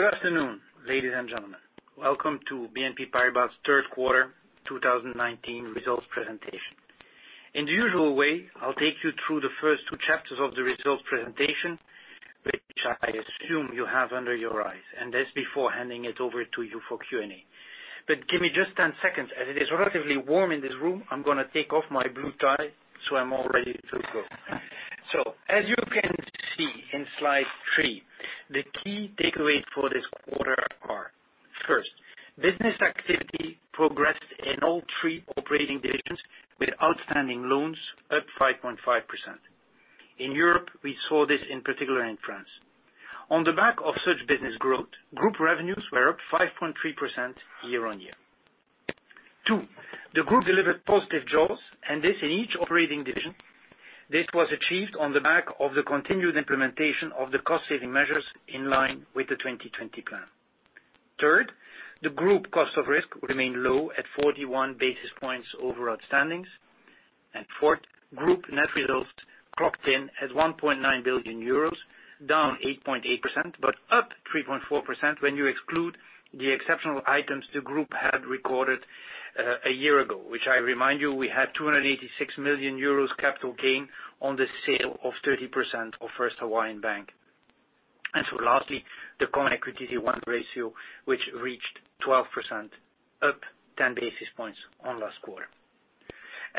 Good afternoon, ladies and gentlemen. Welcome to BNP Paribas' third quarter 2019 results presentation. In the usual way, I'll take you through the first two chapters of the results presentation, which I assume you have under your eyes, and that's before handing it over to you for Q&A. Give me just 10 seconds. As it is relatively warm in this room, I'm going to take off my blue tie, so I'm all ready to go. As you can see in slide three, the key takeaways for this quarter are, first, business activity progressed in all three operating divisions with outstanding loans up 5.5%. In Europe, we saw this in particular in France. On the back of such business growth, group revenues were up 5.3% year-on-year. Two, the group delivered positive jaws, and this in each operating division. This was achieved on the back of the continued implementation of the cost-saving measures in line with the 2020 plan. Third, the group cost of risk remained low at 41 basis points over outstandings. Fourth, group net results clocked in at €1.9 billion, down 8.8%, but up 3.4% when you exclude the exceptional items the group had recorded a year ago, which I remind you, we had €286 million capital gain on the sale of 30% of First Hawaiian Bank. Lastly, the Common Equity Tier 1 ratio, which reached 12%, up 10 basis points on last quarter.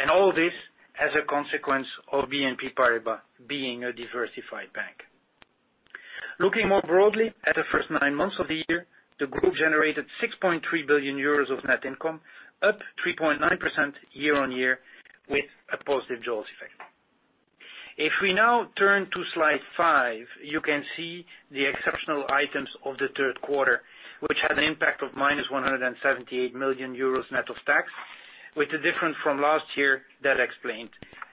All this as a consequence of BNP Paribas being a diversified bank. Looking more broadly at the first nine months of the year, the group generated €6.3 billion of net income, up 3.9% year-on-year with a positive jaws effect. If we now turn to slide five, you can see the exceptional items of the third quarter, which had an impact of minus 178 million euros net of tax, with the difference from last year that explained,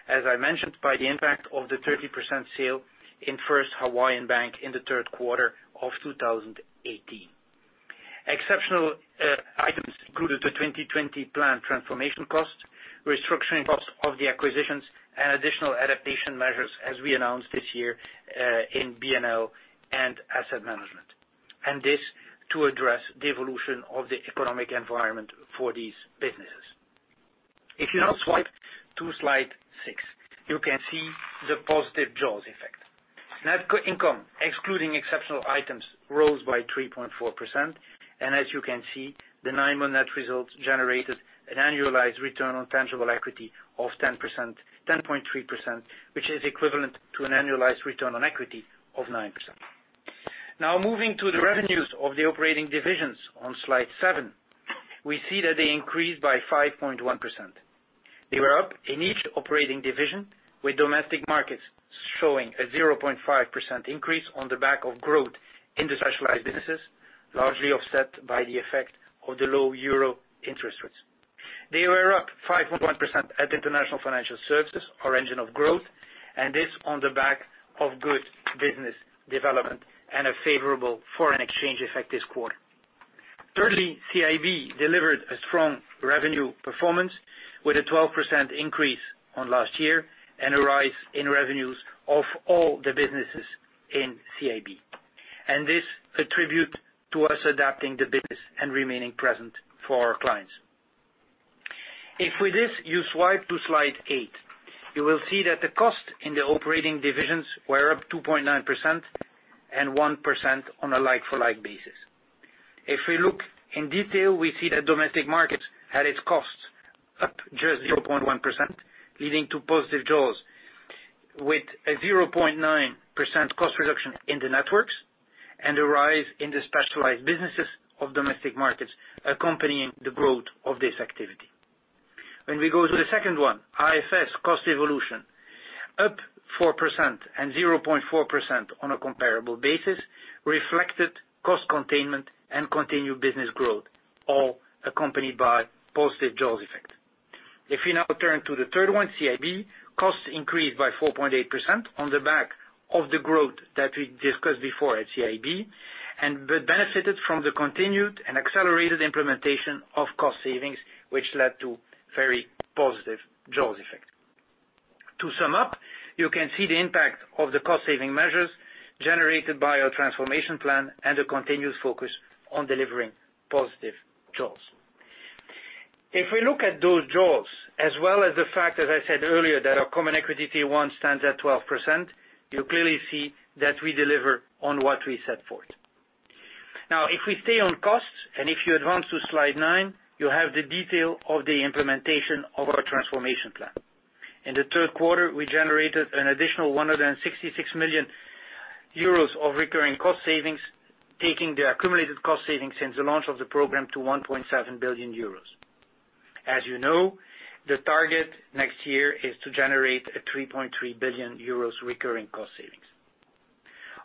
as I mentioned, by the impact of the 30% sale in First Hawaiian Bank in the third quarter of 2018. Exceptional items included the 2020 plan transformation cost, restructuring costs of the acquisitions, and additional adaptation measures as we announced this year, in BNL and asset management. This to address the evolution of the economic environment for these businesses. If you now swipe to slide six, you can see the positive jaws effect. Net income, excluding exceptional items, rose by 3.4%. As you can see, the nine-month net results generated an annualized return on tangible equity of 10.3%, which is equivalent to an annualized return on equity of 9%. Now moving to the revenues of the operating divisions on slide seven, we see that they increased by 5.1%. They were up in each operating division, with Domestic Markets showing a 0.5% increase on the back of growth in the specialized businesses, largely offset by the effect of the low euro interest rates. They were up 5.1% at International Financial Services, our engine of growth, this on the back of good business development and a favorable foreign exchange effect this quarter. Thirdly, CIB delivered a strong revenue performance with a 12% increase on last year and a rise in revenues of all the businesses in CIB. This attribute to us adapting the business and remaining present for our clients. If with this, you swipe to slide eight, you will see that the cost in the operating divisions were up 2.9% and 1% on a like-for-like basis. If we look in detail, we see that Domestic Markets had its costs up just 0.1%, leading to positive jaws with a 0.9% cost reduction in the networks and a rise in the specialized businesses of Domestic Markets accompanying the growth of this activity. When we go to the second one, IFS cost evolution, up 4% and 0.4% on a comparable basis, reflected cost containment and continued business growth, all accompanied by positive jaws effect. If we now turn to the third one, CIB, costs increased by 4.8% on the back of the growth that we discussed before at CIB, and benefited from the continued and accelerated implementation of cost savings, which led to very positive jaws effect. To sum up, you can see the impact of the cost-saving measures generated by our transformation plan and a continuous focus on delivering positive jaws. If we look at those jaws, as well as the fact, as I said earlier, that our Common Equity Tier 1 stands at 12%, you clearly see that we deliver on what we set forth. Now, if we stay on costs, and if you advance to slide nine, you have the detail of the implementation of our transformation plan. In the third quarter, we generated an additional 166 million euros of recurring cost savings, taking the accumulated cost savings since the launch of the program to 1.7 billion euros. As you know, the target next year is to generate a 3.3 billion euros recurring cost savings.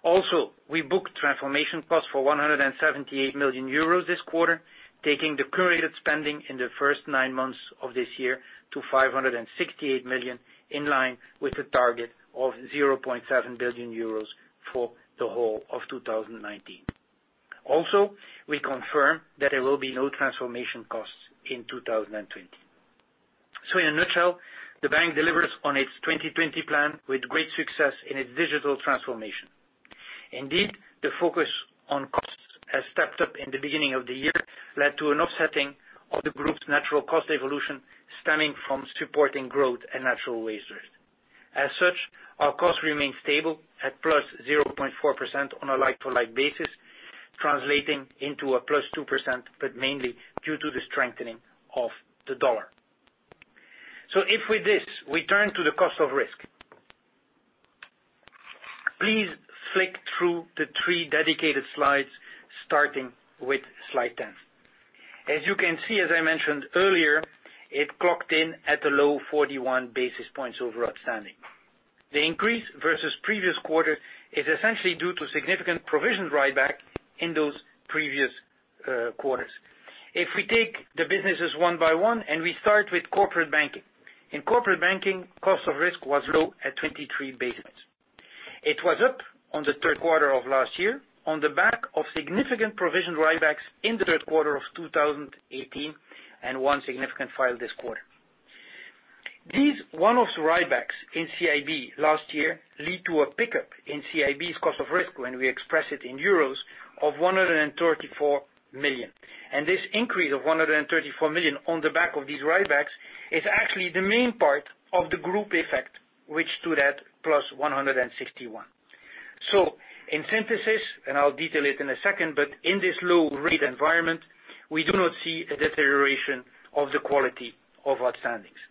Also, we booked transformation costs for 178 million euros this quarter, taking the period spending in the first nine months of this year to 568 million, in line with the target of 0.7 billion euros for the whole of 2019. We confirm that there will be no transformation costs in 2020. In a nutshell, the bank delivers on its 2020 plan with great success in its digital transformation. The focus on costs has stepped up in the beginning of the year, led to an offsetting of the group's natural cost evolution stemming from supporting growth and natural waste. Our cost remains stable at +0.4% on a like-to-like basis, translating into a +2%, mainly due to the strengthening of the dollar. With this, we turn to the cost of risk. Please flick through the three dedicated slides, starting with slide 10. As I mentioned earlier, it clocked in at a low 41 basis points over outstanding. The increase versus the previous quarter is essentially due to significant provision write-back in those previous quarters. If we take the businesses one by one, we start with corporate banking. In corporate banking, cost of risk was low at 23 basis. It was up on the third quarter of last year on the back of significant provision write-backs in the third quarter of 2018, and one significant file this quarter. These one-off write-backs in CIB last year lead to a pickup in CIB's cost of risk when we express it in 134 million euros. This increase of 134 million on the back of these write-backs is actually the main part of the group effect, which stood at plus 161. In synthesis, and I'll detail it in a second, but in this low rate environment, we do not see a deterioration of the quality of outstandings.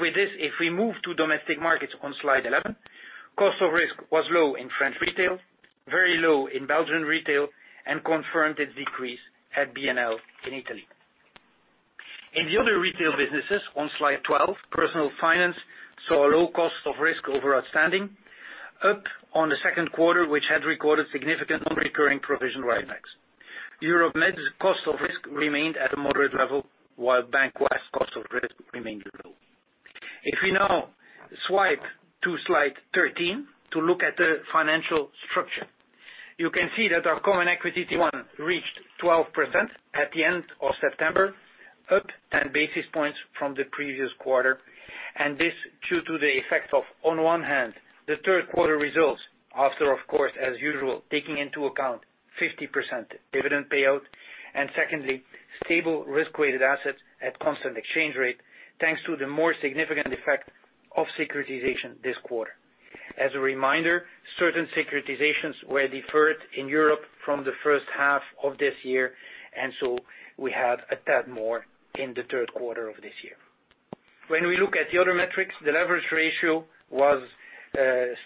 With this, we move to Domestic Markets on slide 11, cost of risk was low in French retail, very low in Belgian retail, and confirmed its decrease at BNL in Italy. In the other retail businesses on slide 12, Personal Finance saw a low cost of risk over outstanding, up on the second quarter, which had recorded significant non-recurring provision write backs. Europe-Mediterranean's cost of risk remained at a moderate level, while BancWest's cost of risk remained low. We now swipe to slide 13 to look at the financial structure. You can see that our common equity one reached 12% at the end of September, up 10 basis points from the previous quarter. This due to the effect of, on one hand, the third quarter results after, of course, as usual, taking into account 50% dividend payout, and secondly, stable risk-weighted assets at constant exchange rate, thanks to the more significant effect of securitization this quarter. As a reminder, certain securitizations were deferred in Europe from the first half of this year, and so we had a tad more in the third quarter of this year. When we look at the other metrics, the leverage ratio was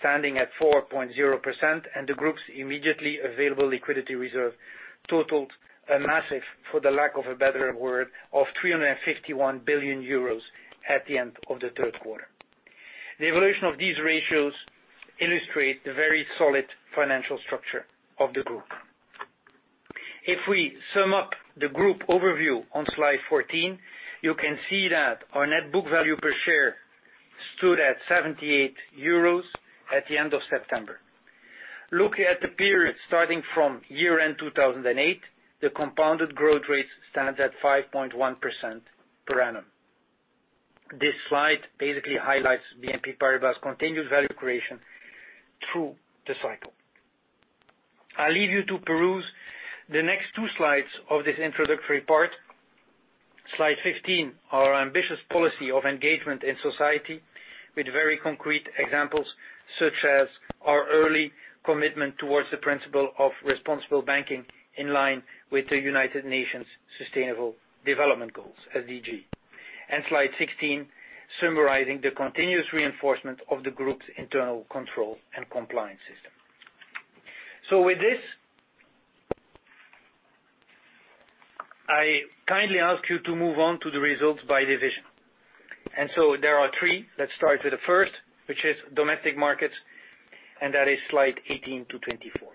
standing at 4.0%, and the Group's immediately available liquidity reserve totaled a massive, for the lack of a better word, of 351 billion euros at the end of the third quarter. The evolution of these ratios illustrate the very solid financial structure of the group. If we sum up the group overview on slide 14, you can see that our net book value per share stood at 78 euros at the end of September. Looking at the period starting from year-end 2008, the compounded growth rate stands at 5.1% per annum. This slide basically highlights BNP Paribas' continued value creation through the cycle. I'll leave you to peruse the next two slides of this introductory part. Slide 15, our ambitious policy of engagement in society with very concrete examples, such as our early commitment towards the principle of responsible banking in line with the United Nations Sustainable Development Goals, SDG. Slide 16, summarizing the continuous reinforcement of the group's internal control and compliance system. With this, I kindly ask you to move on to the results by division. There are three. Let's start with the first, which is Domestic Markets, and that is slide 18 to 24.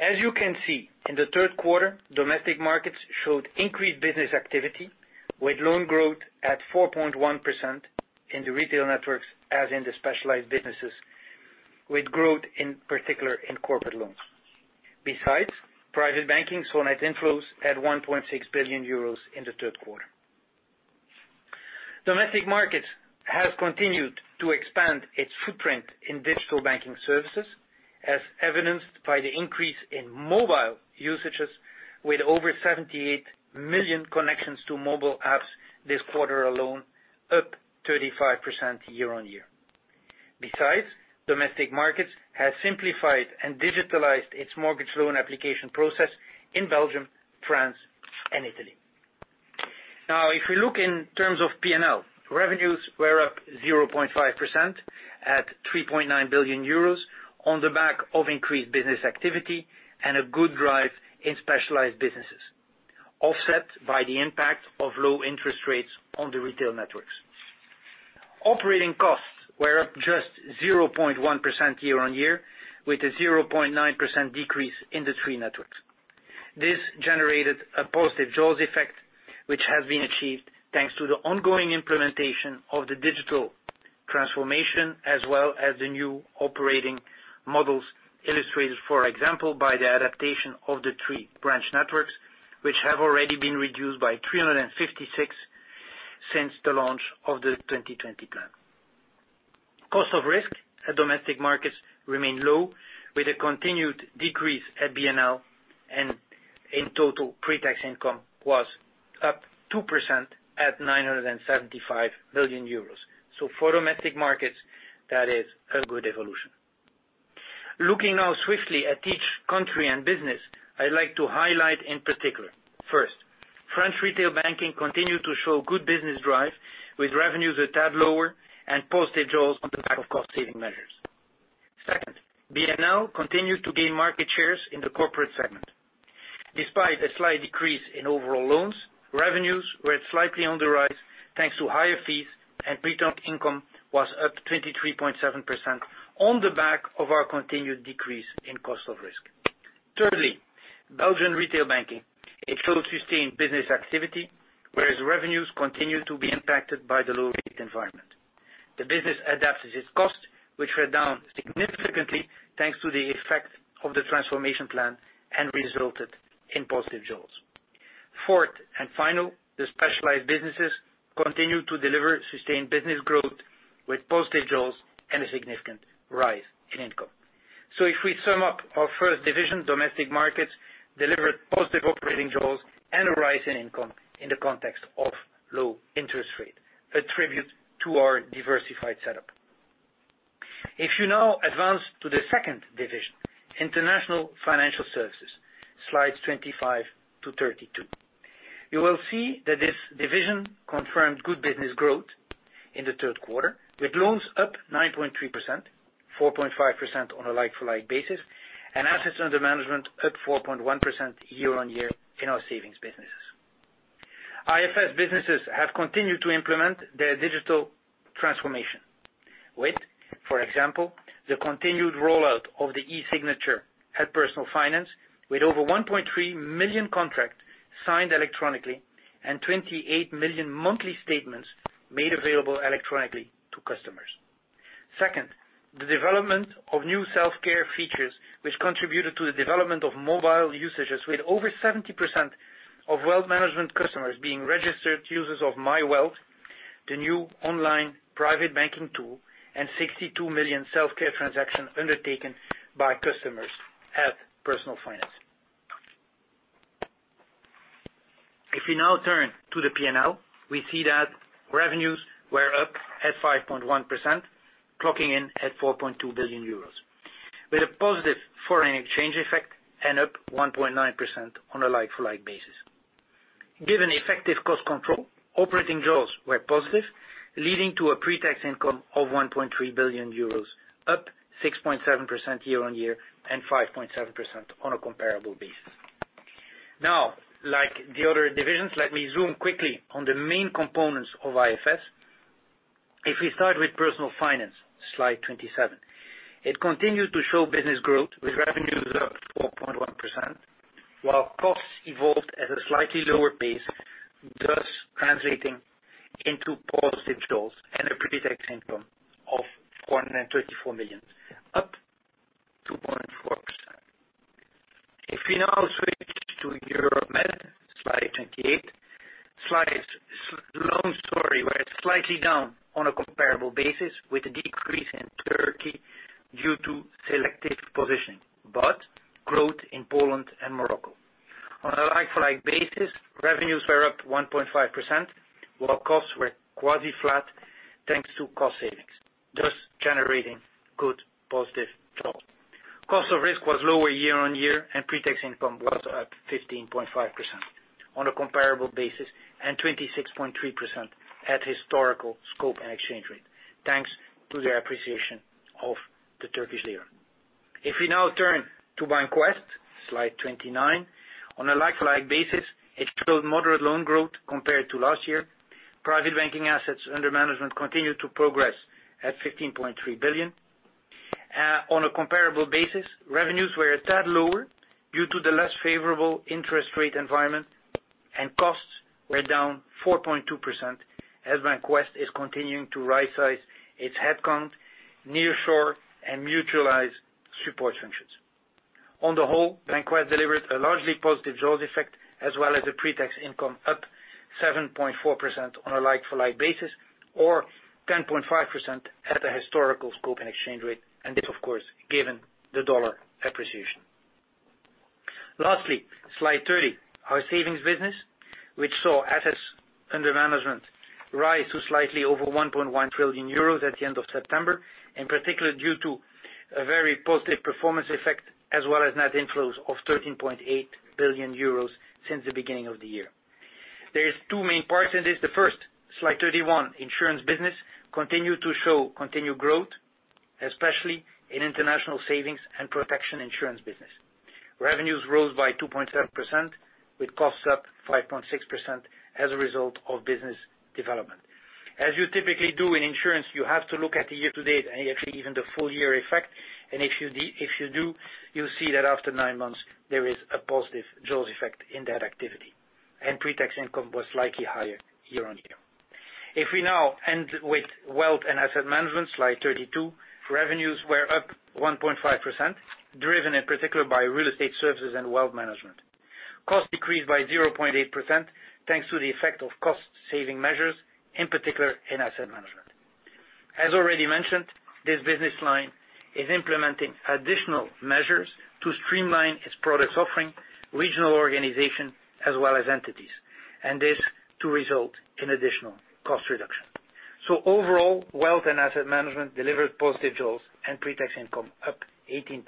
As you can see, in the third quarter, Domestic Markets showed increased business activity with loan growth at 4.1% in the retail networks as in the specialized businesses, with growth in particular in corporate loans. Besides, private banking saw net inflows at 1.6 billion euros in the third quarter. Domestic Markets have continued to expand its footprint in digital banking services, as evidenced by the increase in mobile usages with over 78 million connections to mobile apps this quarter alone, up 35% year-on-year. Besides, Domestic Markets has simplified and digitalized its mortgage loan application process in Belgium, France, and Italy. If we look in terms of P&L, revenues were up 0.5% at 3.9 billion euros on the back of increased business activity and a good drive in specialized businesses, offset by the impact of low interest rates on the retail networks. Operating costs were up just 0.1% year-on-year, with a 0.9% decrease in the three networks. This generated a positive jaws effect, which has been achieved thanks to the ongoing implementation of the digital transformation, as well as the new operating models illustrated, for example, by the adaptation of the three branch networks, which have already been reduced by 356 since the launch of the 2020 plan. Cost of risk at Domestic Markets remain low, with a continued decrease at BNL, in total, pre-tax income was up 2% at 975 million euros. For Domestic Markets, that is a good evolution. Looking now swiftly at each country and business, I'd like to highlight in particular. First, French retail banking continued to show good business drive, with revenues a tad lower and positive growth on the back of cost-saving measures. Second, BNL continued to gain market shares in the corporate segment. Despite a slight decrease in overall loans, revenues were slightly on the rise thanks to higher fees, and pre-tax income was up 23.7% on the back of our continued decrease in cost of risk. Thirdly, Belgian retail banking. It showed sustained business activity, whereas revenues continued to be impacted by the low rate environment. The business adapted its cost, which were down significantly, thanks to the effect of the transformation plan, and resulted in positive yields. Fourth and final, the specialized businesses continued to deliver sustained business growth with positive yields and a significant rise in income. If we sum up our first division, Domestic Markets delivered positive operating yields and a rise in income in the context of low interest rate, a tribute to our diversified setup. If you now advance to the second division, International Financial Services, slides 25 to 32. You will see that this division confirmed good business growth in the third quarter, with loans up 9.3%, 4.5% on a like-for-like basis, and assets under management up 4.1% year-on-year in our savings businesses. IFS businesses have continued to implement their digital transformation with, for example, the continued rollout of the e-signature at Personal Finance, with over 1.3 million contracts signed electronically and 28 million monthly statements made available electronically to customers. Second, the development of new self-care features, which contributed to the development of mobile usages. With over 70% of wealth management customers being registered users of myWealth, the new online private banking tool, and 62 million self-care transactions undertaken by customers at Personal Finance. We now turn to the P&L. We see that revenues were up at 5.1%, clocking in at 4.2 billion euros. A positive foreign exchange effect and up 1.9% on a like-for-like basis. Given effective cost control, operating yields were positive, leading to a pre-tax income of 1.3 billion euros, up 6.7% year-on-year and 5.7% on a comparable basis. Like the other divisions, let me zoom quickly on the main components of IFS. We start with Personal Finance, slide 27. It continued to show business growth, with revenues up 4.1%, while costs evolved at a slightly lower pace, thus translating into positive yields and a pre-tax income of 434 million, up 2.4%. We now switch to Europe-Mediterranean, slide 28. Long story, we're slightly down on a comparable basis with a decrease in Turkey due to selective positioning, but growth in Poland and Morocco. On a like-for-like basis, revenues were up 1.5%, while costs were quasi-flat, thanks to cost savings, thus generating good positive yield. Cost of risk was lower year-on-year, and pre-tax income was up 15.5% on a comparable basis and 26.3% at historical scope and exchange rate, thanks to the appreciation of the Turkish lira. We now turn to BancWest, slide 29. On a like-for-like basis, it showed moderate loan growth compared to last year. Private banking assets under management continued to progress at 15.3 billion. On a comparable basis, revenues were a tad lower due to the less favorable interest rate environment. Costs were down 4.2% as BancWest is continuing to rightsize its headcount, nearshore, and mutualize support functions. On the whole, BancWest delivered a largely positive yields effect, as well as a pre-tax income up 7.4% on a like-for-like basis or 10.5% at a historical scope and exchange rate. This, of course, given the dollar appreciation. Lastly, slide 30. Our savings business, which saw assets under management rise to slightly over 1.1 trillion euros at the end of September, in particular due to a very positive performance effect as well as net inflows of 13.8 billion euros since the beginning of the year. There is two main parts in this. The first, slide 31, insurance business continued to show continued growth, especially in international savings and protection insurance business. Revenues rose by 2.7%, with costs up 5.6% as a result of business development. As you typically do in insurance, you have to look at the year to date and actually even the full year effect. If you do, you'll see that after nine months, there is a positive yields effect in that activity. Pre-tax income was slightly higher year-on-year. If we now end with wealth and asset management, slide 32, revenues were up 1.5%, driven in particular by real estate services and wealth management. Costs decreased by 0.8%, thanks to the effect of cost-saving measures, in particular in asset management. As already mentioned, this business line is implementing additional measures to streamline its product offering, regional organization, as well as entities, and this to result in additional cost reduction. Overall, wealth and asset management delivered positive yields and pre-tax income up 18.3%.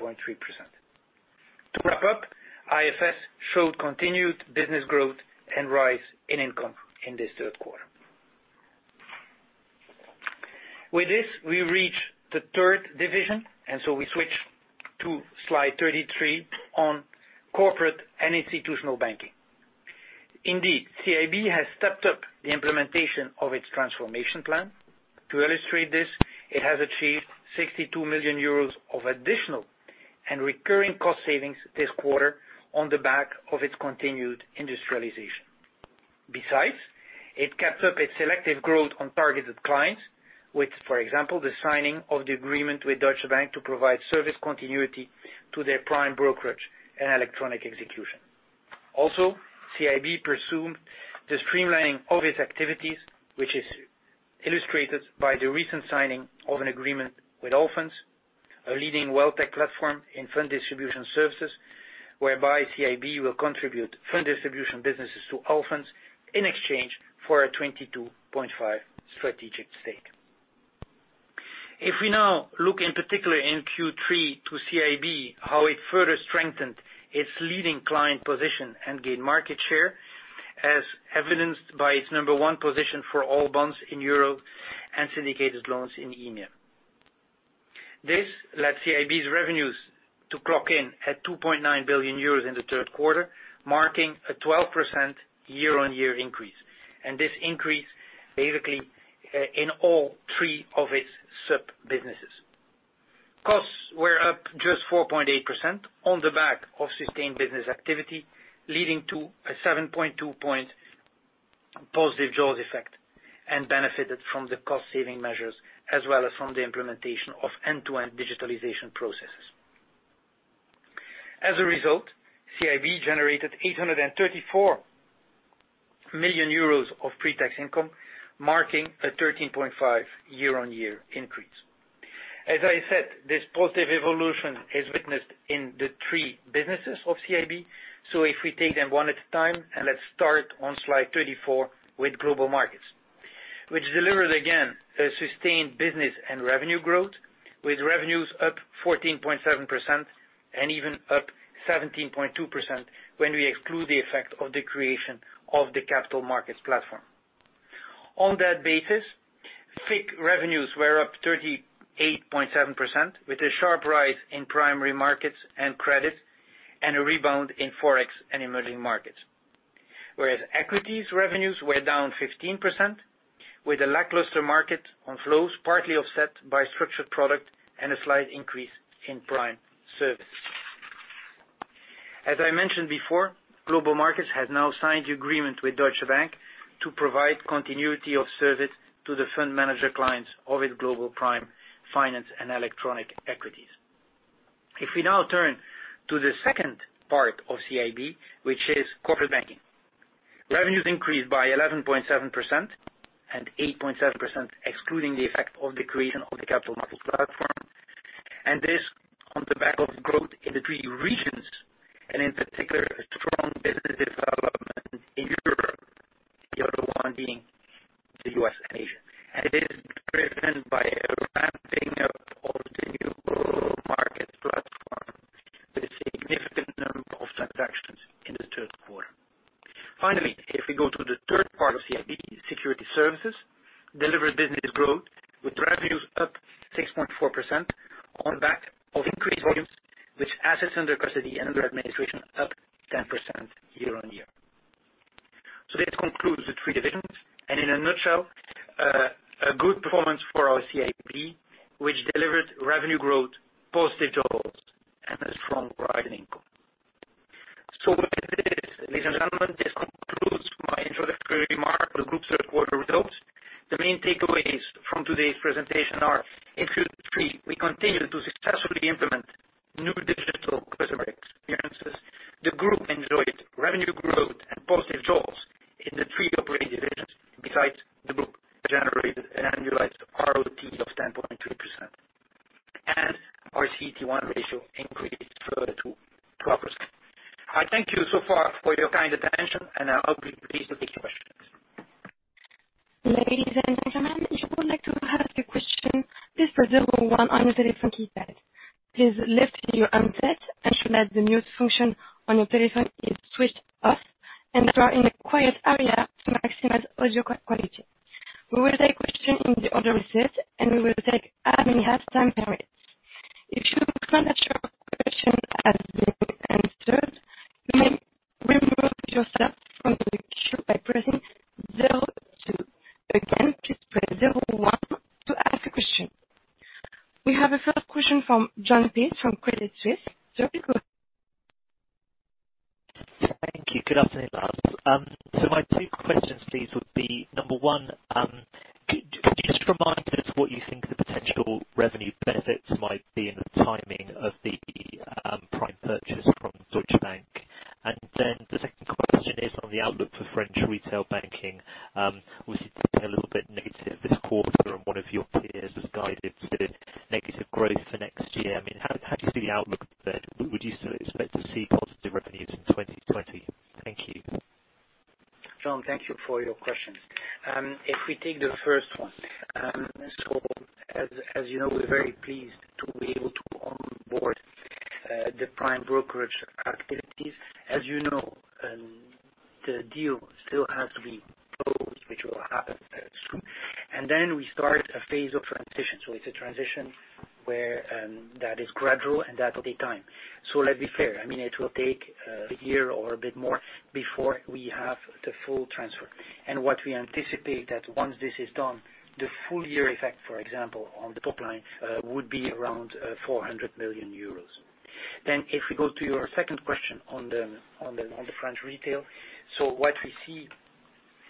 To wrap up, IFS showed continued business growth and rise in income in this third quarter. With this, we reach the third division, we switch to slide 33 on Corporate & Institutional Banking. Indeed, CIB has stepped up the implementation of its transformation plan. To illustrate this, it has achieved 62 million euros of additional and recurring cost savings this quarter on the back of its continued industrialization. Besides, it kept up its selective growth on targeted clients, with, for example, the signing of the agreement with Deutsche Bank to provide service continuity to their prime brokerage and electronic execution. Also, CIB pursued the streamlining of its activities, which is illustrated by the recent signing of an agreement with Allfunds, a leading WealthTech platform in fund distribution services, whereby CIB will contribute fund distribution businesses to Allfunds in exchange for a 22.5 strategic stake. If we now look in particular in Q3 to CIB, how it further strengthened its leading client position and gained market share, as evidenced by its number one position for all bonds in Europe and syndicated loans in EMEA. This led CIB's revenues to clock in at 2.9 billion euros in the third quarter, marking a 12% year-on-year increase. This increase basically in all three of its sub-businesses. Costs were up just 4.8% on the back of sustained business activity, leading to a 7.2-point positive jaws effect and benefited from the cost-saving measures as well as from the implementation of end-to-end digitalization processes. As a result, CIB generated 834 million euros of pre-tax income, marking a 13.5 year-on-year increase. As I said, this positive evolution is witnessed in the three businesses of CIB. If we take them one at a time, and let's start on slide 34 with Global Markets, which delivered again a sustained business and revenue growth, with revenues up 14.7% and even up 17.2% when we exclude the effect of the creation of the capital markets platform. On that basis, FICC revenues were up 38.7%, with a sharp rise in primary markets and credit and a rebound in forex and emerging markets. Equities revenues were down 15%, with a lackluster market on flows partly offset by structured products and a slight increase in prime services. As I mentioned before, Global Markets has now signed the agreement with Deutsche Bank to provide continuity of service to the fund manager clients of its global prime finance and electronic equities. If we now turn to the second part of CIB, which is Corporate Banking. Revenues increased by 11.7% and 8.7%, excluding the effect of the creation of the Global Markets platform, on the back of growth in the three regions, in particular, a strong business development in Europe, the other one being the U.S. and Asia. It is driven by a ramping up of the new Global Markets platform with significant number of transactions in the third quarter. Finally, if we go to the third part of CIB, Securities Services delivered business growth, with revenues up 6.4% on back of increased volumes, with assets under custody and under administration up 10% year-on-year. This concludes the three divisions, in a nutshell, a good performance for our CIB, which delivered revenue growth, positive jaws, a strong rise in income. With this, ladies and gentlemen, this concludes my introductory remarks for the group's third quarter results. The main takeaways from today's presentation are in Q3, we continued to successfully implement new digital customer experiences. The group enjoyed revenue growth and positive jaws in the three operating divisions. Besides, the group generated an annualized ROTE of 10.3%, and our CET1 ratio increased further to 12 or so. I thank you so far for your kind attention, and I'll be pleased to take your questions. Ladies and gentlemen, if you would like to ask a question, please press number one on your telephone keypad. Please lift your handset, ensure that the mute function on your telephone is switched off, and that you are in a quiet area to maximize audio quality. We will take questions in the order received, and we will take as many as time permits. If you find that your question has been answered, you may remove yourself from the queue by pressing 02. Again, please press 01 to ask a question. We have a first question from Jon Peace from Credit Suisse. Jon, go ahead. Thank you. Good afternoon, Lars. My two questions to these would be, number one, could you just remind us what you think the potential revenue benefits might be in the timing of the Prime purchase from Deutsche Bank? The second question is on the outlook for French retail banking. We see it's been a little bit negative this quarter, one of your peers has guided to negative growth for next year. How do you see the outlook there? Would you still expect to see positive revenues in 2020? Thank you. Jon, thank you for your questions. If we take the first one. As you know, we're very pleased to be able to onboard the Prime brokerage activities. As you know, the deal still has to be closed, which will happen soon. We start a phase of transition. It's a transition where that is gradual and that will take time. Let's be clear. It will take a year or a bit more before we have the full transfer. What we anticipate that once this is done, the full-year effect, for example, on the top line, would be around 400 million euros. If we go to your second question on the French Retail. What we see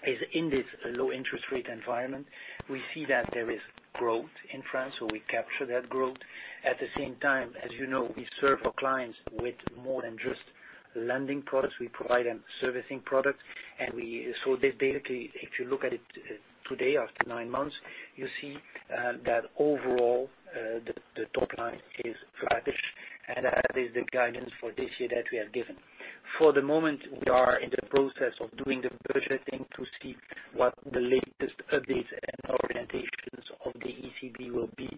is in this low interest rate environment, we see that there is growth in France, so we capture that growth. At the same time, as you know, we serve our clients with more than just lending products. We provide them servicing products. Basically, if you look at it today, after nine months, you see that overall, the top line is flattish, and that is the guidance for this year that we have given. For the moment, we are in the process of doing the budgeting to see what the latest updates and orientations of the ECB will be.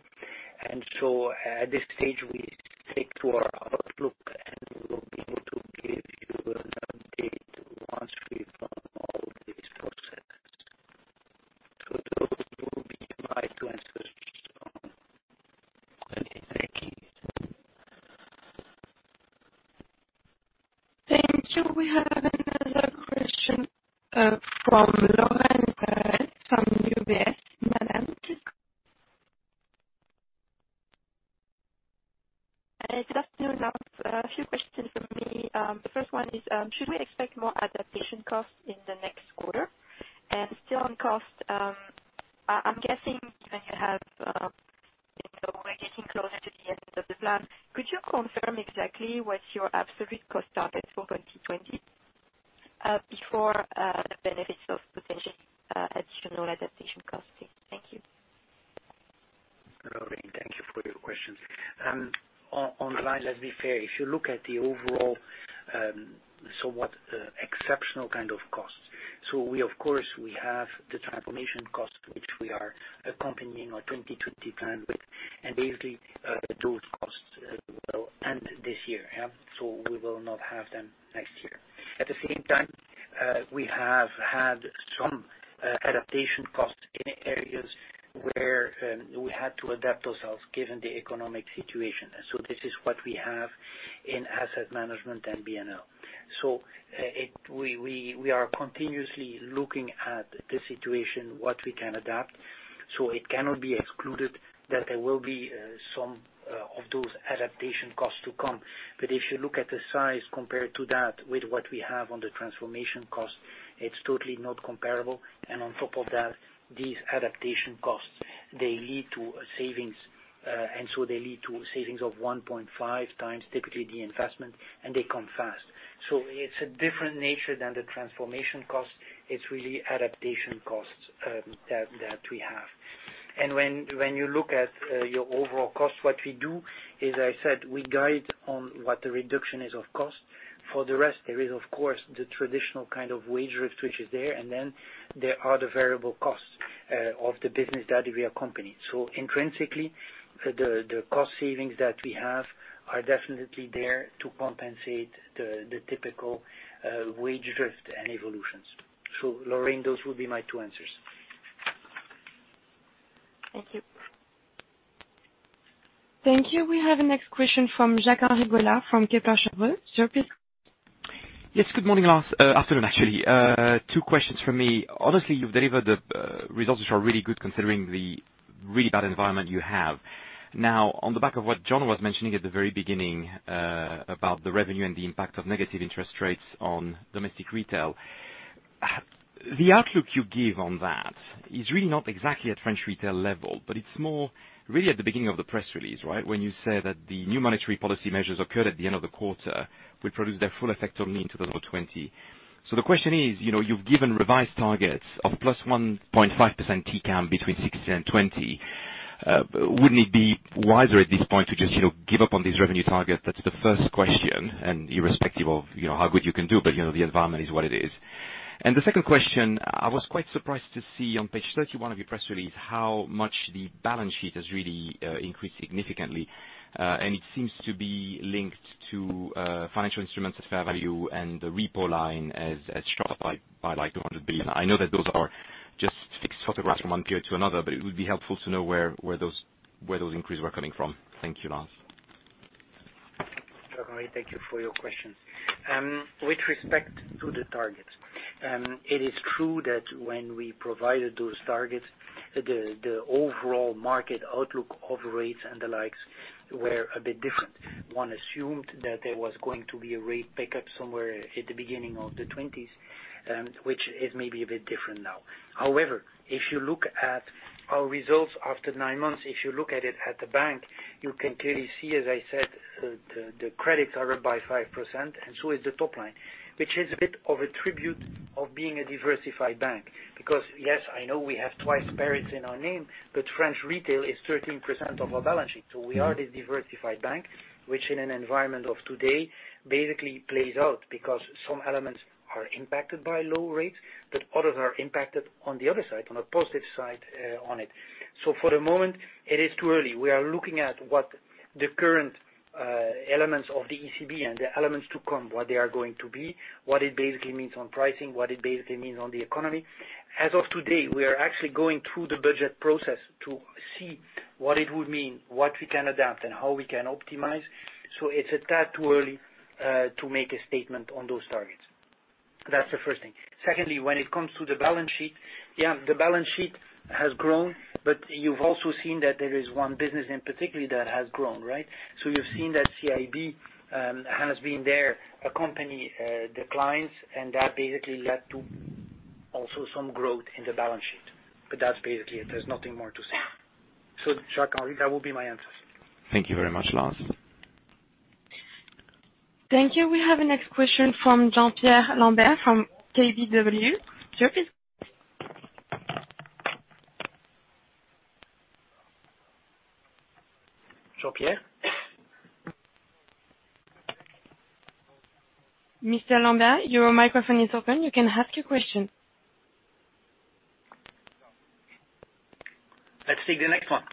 At this stage, we stick to our outlook, and we will be able to give you an update once we've done all this process. Those will be my two answers, Jon. Okay, thank you. Thank you. We have another question from Lorraine Pellas from UBS. Lorraine, please go on. Just you now, a few questions from me. The first one is, should we expect more adaptation costs in the next quarter? Still on cost, I'm guessing, given we're getting closer to the end of the plan, could you confirm exactly what your absolute cost target for 2020, before the benefits of potential additional adaptation costs, please? Thank you. Lorraine, thank you for your questions. On line, let's be fair, if you look at the overall, somewhat exceptional kind of costs. We, of course, we have the transformation costs, which we are accompanying our 2020 plan with, and basically, those costs will end this year. We will not have them next year. At the same time, we have had some adaptation costs in areas where we had to adapt ourselves, given the economic situation. This is what we have in asset management and BNL. We are continuously looking at the situation, what we can adapt. It cannot be excluded that there will be some of those adaptation costs to come. If you look at the size compared to that with what we have on the transformation cost, it's totally not comparable, and on top of that, these adaptation costs, they lead to savings. They lead to savings of 1.5 times, typically the investment, and they come fast. It's a different nature than the transformation cost. It's really adaptation costs that we have. When you look at your overall cost, what we do is, I said, we guide on what the reduction is of cost. For the rest, there is, of course, the traditional kind of wage drift which is there, and then there are the variable costs of the business that we accompany. Intrinsically, the cost savings that we have are definitely there to compensate the typical wage drift and evolutions. Lorraine, those would be my two answers. Thank you. Thank you. We have the next question from Jacques-Henri Gaulard from Kepler Cheuvreux. Jacques, please go on. Yes, good morning, Lars. Afternoon, actually. Two questions from me. Honestly, you've delivered the results which are really good considering the really bad environment you have. On the back of what Jon was mentioning at the very beginning, about the revenue and the impact of negative interest rates on domestic retail. The outlook you give on that is really not exactly at French retail level, it's more really at the beginning of the press release, right? When you said that the new monetary policy measures occurred at the end of the quarter, will produce their full effect only into the low 2020. The question is, you've given revised targets of plus 1.5% TCAM between 2016 and 2020. Wouldn't it be wiser at this point to just give up on this revenue target? That's the first question, and irrespective of how good you can do, but the environment is what it is. The second question, I was quite surprised to see on page 31 of your press release how much the balance sheet has really increased significantly. It seems to be linked to financial instruments at fair value, the repo line has shot up by like 200 billion. I know that those are just fixed photographs from one period to another, but it would be helpful to know where those increases were coming from. Thank you, Lars. All right. Thank you for your question. With respect to the targets, it is true that when we provided those targets, the overall market outlook of rates and the likes were a bit different. One assumed that there was going to be a rate pickup somewhere at the beginning of the 2020s, which is maybe a bit different now. However, if you look at our results after nine months, if you look at it at the bank, you can clearly see, as I said, the credits are up by 5% and so is the top line, which is a bit of a tribute of being a diversified bank because yes, I know we have twice Paris in our name, but French retail is 13% of our balance sheet. We are the diversified bank, which in an environment of today, basically plays out because some elements are impacted by low rates, but others are impacted on the other side, on a positive side on it. For the moment, it is too early. We are looking at what the current elements of the ECB and the elements to come, what they are going to be, what it basically means on pricing, what it basically means on the economy. As of today, we are actually going through the budget process to see what it would mean, what we can adapt, and how we can optimize. It's a tad too early to make a statement on those targets. That's the first thing. Secondly, when it comes to the balance sheet, yeah, the balance sheet has grown, but you've also seen that there is one business in particular that has grown, right? You've seen that CIB has been there accompanying the clients, and that basically led to also some growth in the balance sheet. That's basically it. There's nothing more to say. Jacques-Henri, that will be my answers. Thank you very much, Lars. Thank you. We have the next question from Jean-Pierre Lambert from KBW. Sir, please. Jean-Pierre? Mr. Lambert, your microphone is open. You can ask your question. Let's take the next one.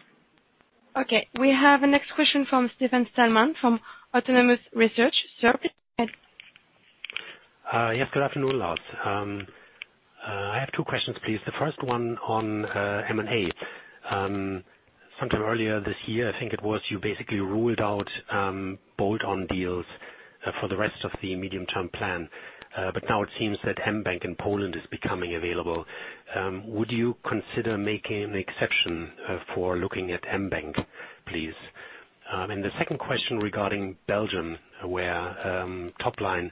Okay, we have the next question from Stefan Stalmann from Autonomous Research. Sir. Yes, good afternoon, Lars. I have two questions, please. The first one on M&A. Sometime earlier this year, I think it was you basically ruled out bolt-on deals for the rest of the medium-term plan. Now it seems that mBank in Poland is becoming available. Would you consider making an exception for looking at mBank, please? The second question regarding Belgium, where top-line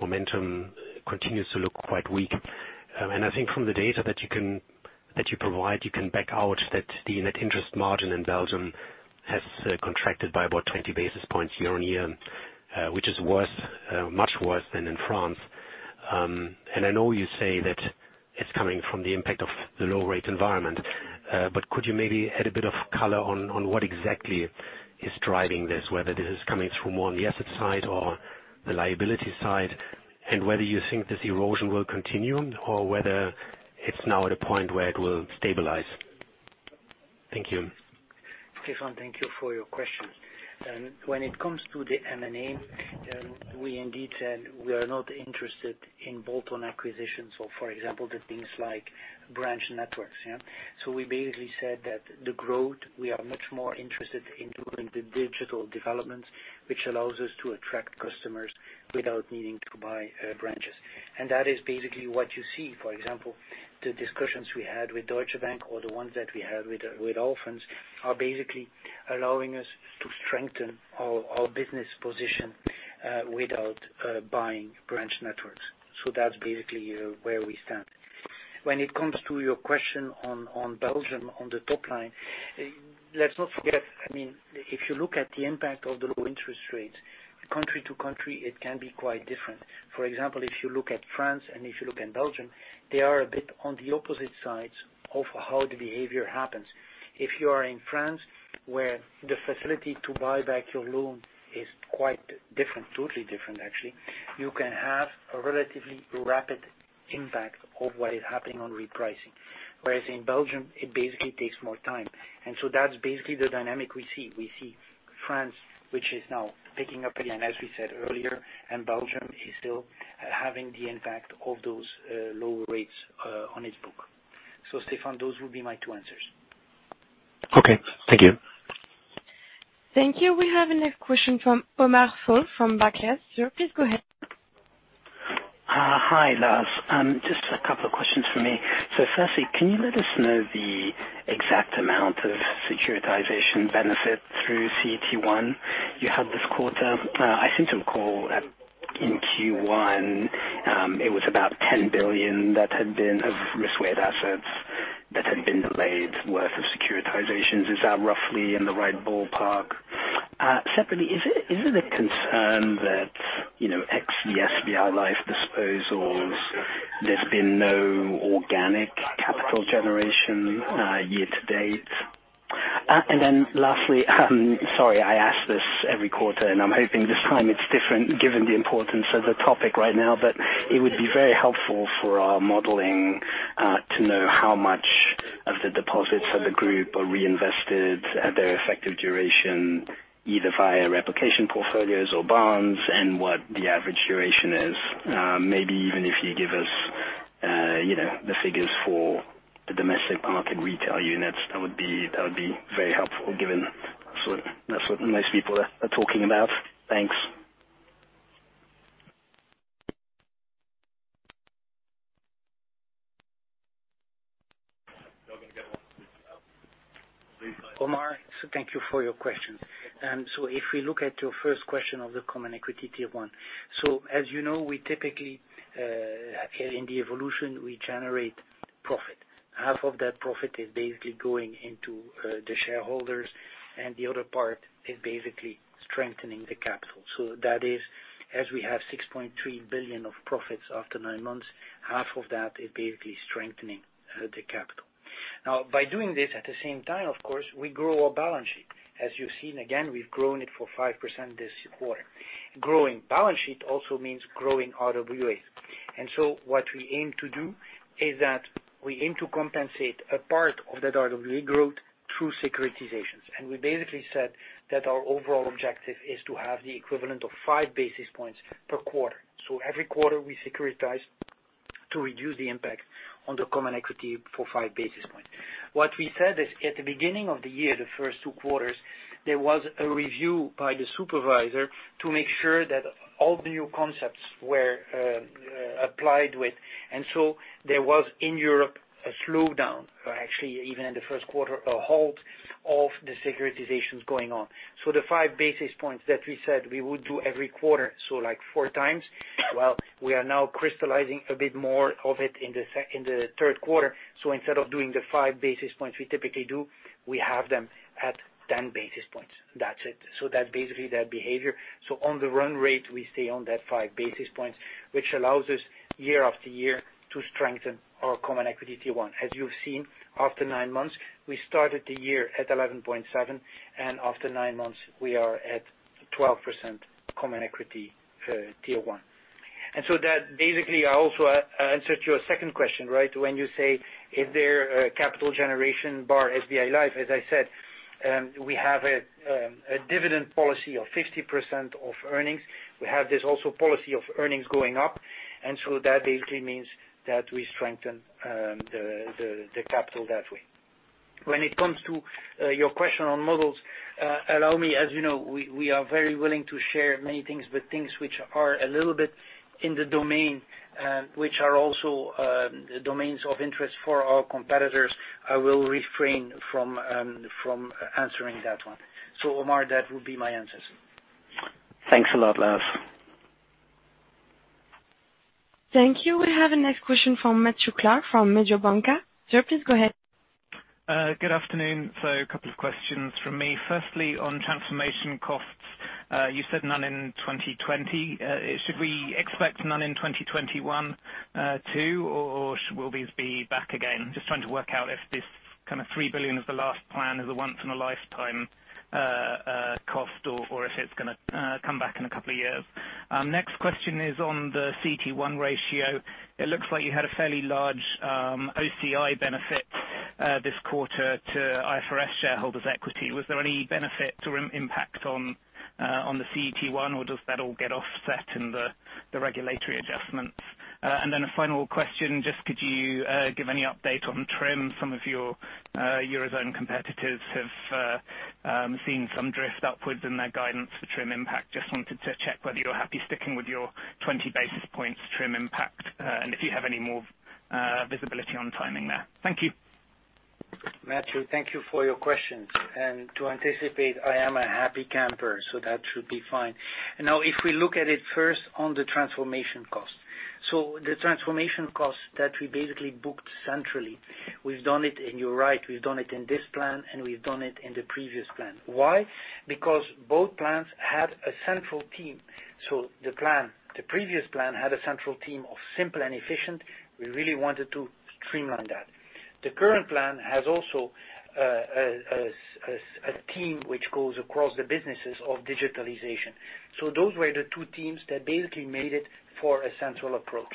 momentum continues to look quite weak. I think from the data that you provide, you can back out that the net interest margin in Belgium has contracted by about 20 basis points year-on-year, which is much worse than in France. I know you say that it's coming from the impact of the low rate environment, could you maybe add a bit of color on what exactly is driving this, whether this is coming through more on the asset side or the liability side, and whether you think this erosion will continue or whether it's now at a point where it will stabilize. Thank you. Stefan, thank you for your questions. When it comes to the M&A, we indeed said we are not interested in bolt-on acquisitions or, for example, the things like branch networks. We basically said that the growth, we are much more interested in doing the digital developments, which allows us to attract customers without needing to buy branches. That is basically what you see. For example, the discussions we had with Deutsche Bank or the ones that we had with Allfunds are basically allowing us to strengthen our business position without buying branch networks. That's basically where we stand. When it comes to your question on Belgium, on the top line, let's not forget, if you look at the impact of the low interest rates, country to country, it can be quite different. For example, if you look at France and if you look in Belgium, they are a bit on the opposite sides of how the behavior happens. If you are in France, where the facility to buy back your loan is quite different, totally different actually, you can have a relatively rapid impact of what is happening on repricing. Whereas in Belgium, it basically takes more time. That's basically the dynamic we see. We see France, which is now picking up again, as we said earlier, and Belgium is still having the impact of those low rates on its book. Stefan, those would be my two answers. Okay. Thank you. Thank you. We have the next question from Omar Fall from Barclays. Sir, please go ahead. Hi, Lars. Just a couple of questions from me. Firstly, can you let us know the exact amount of securitization benefit through CET1 you had this quarter? I seem to recall in Q1 it was about 10 billion of risk-weighted assets that had been delayed worth of securitizations. Is that roughly in the right ballpark? Separately, is it a concern that ex the SBI Life disposals, there's been no organic capital generation year to date? Lastly, sorry, I ask this every quarter, and I'm hoping this time it's different given the importance of the topic right now, but it would be very helpful for our modeling to know how much of the deposits of the group are reinvested at their effective duration, either via replication portfolios or bonds, and what the average duration is. Maybe even if you give us, you know, the figures for the Domestic Markets retail units, that would be very helpful given that's what most people are talking about. Thanks. Omar, thank you for your question. If we look at your first question of the Common Equity Tier 1. As you know, we typically, in the evolution, we generate profit. Half of that profit is basically going into the shareholders, and the other part is basically strengthening the capital. That is, as we have 6.3 billion of profits after nine months, half of that is basically strengthening the capital. Now, by doing this at the same time, of course, we grow our balance sheet. As you've seen again, we've grown it for 5% this quarter. Growing balance sheet also means growing RWA. What we aim to do is that we aim to compensate a part of that RWA growth through securitizations. We basically said that our overall objective is to have the equivalent of five basis points per quarter. Every quarter we securitize to reduce the impact on the common equity for 5 basis points. What we said is, at the beginning of the year, the first two quarters, there was a review by the supervisor to make sure that all the new concepts were applied with. There was, in Europe, a slowdown, or actually even in the first quarter, a halt of the securitizations going on. The 5 basis points that we said we would do every quarter, so like four times, well, we are now crystallizing a bit more of it in the third quarter. Instead of doing the 5 basis points we typically do, we have them at 10 basis points. That's it. That's basically their behavior. On the run rate, we stay on that five basis points, which allows us year after year to strengthen our Common Equity Tier 1. As you've seen, after nine months, we started the year at 11.7%, and after nine months, we are at 12% Common Equity Tier 1. That basically also answers your second question, right? When you say is there a capital generation bar at SBI Life, as I said, we have a dividend policy of 50% of earnings. We have this also policy of earnings going up. That basically means that we strengthen the capital that way. When it comes to your question on models, allow me, as you know, we are very willing to share many things, but things which are a little bit in the domain, which are also domains of interest for our competitors, I will refrain from answering that one. Omar, that would be my answers. Thanks a lot, Lars. Thank you. We have the next question from Matthew Clark, from Mediobanca. Sir, please go ahead. Good afternoon. A couple of questions from me. Firstly, on transformation costs, you said none in 2020. Should we expect none in 2021 too, or will these be back again? Just trying to work out if this kind of 3 billion is the last plan, is a once in a lifetime cost, or if it's going to come back in two years. Question is on the CET1 ratio. It looks like you had a fairly large OCI benefit this quarter to IFRS shareholders' equity. Was there any benefit or impact on the CET1, or does that all get offset in the regulatory adjustments? A final question, just could you give any update on TRIM? Some of your Eurozone competitors have seen some drift upwards in their guidance for TRIM impact. Just wanted to check whether you're happy sticking with your 20 basis points TRIM impact, and if you have any more visibility on timing there. Thank you. Matthew, thank you for your questions. To anticipate, I am a happy camper, so that should be fine. Now, if we look at it first on the transformation cost. The transformation cost that we basically booked centrally, we've done it, and you're right, we've done it in this plan and we've done it in the previous plan. Why? Because both plans had a central team. The previous plan had a central team of simple and efficient. We really wanted to streamline that. The current plan has also a team which goes across the businesses of digitalization. Those were the two teams that basically made it for a central approach.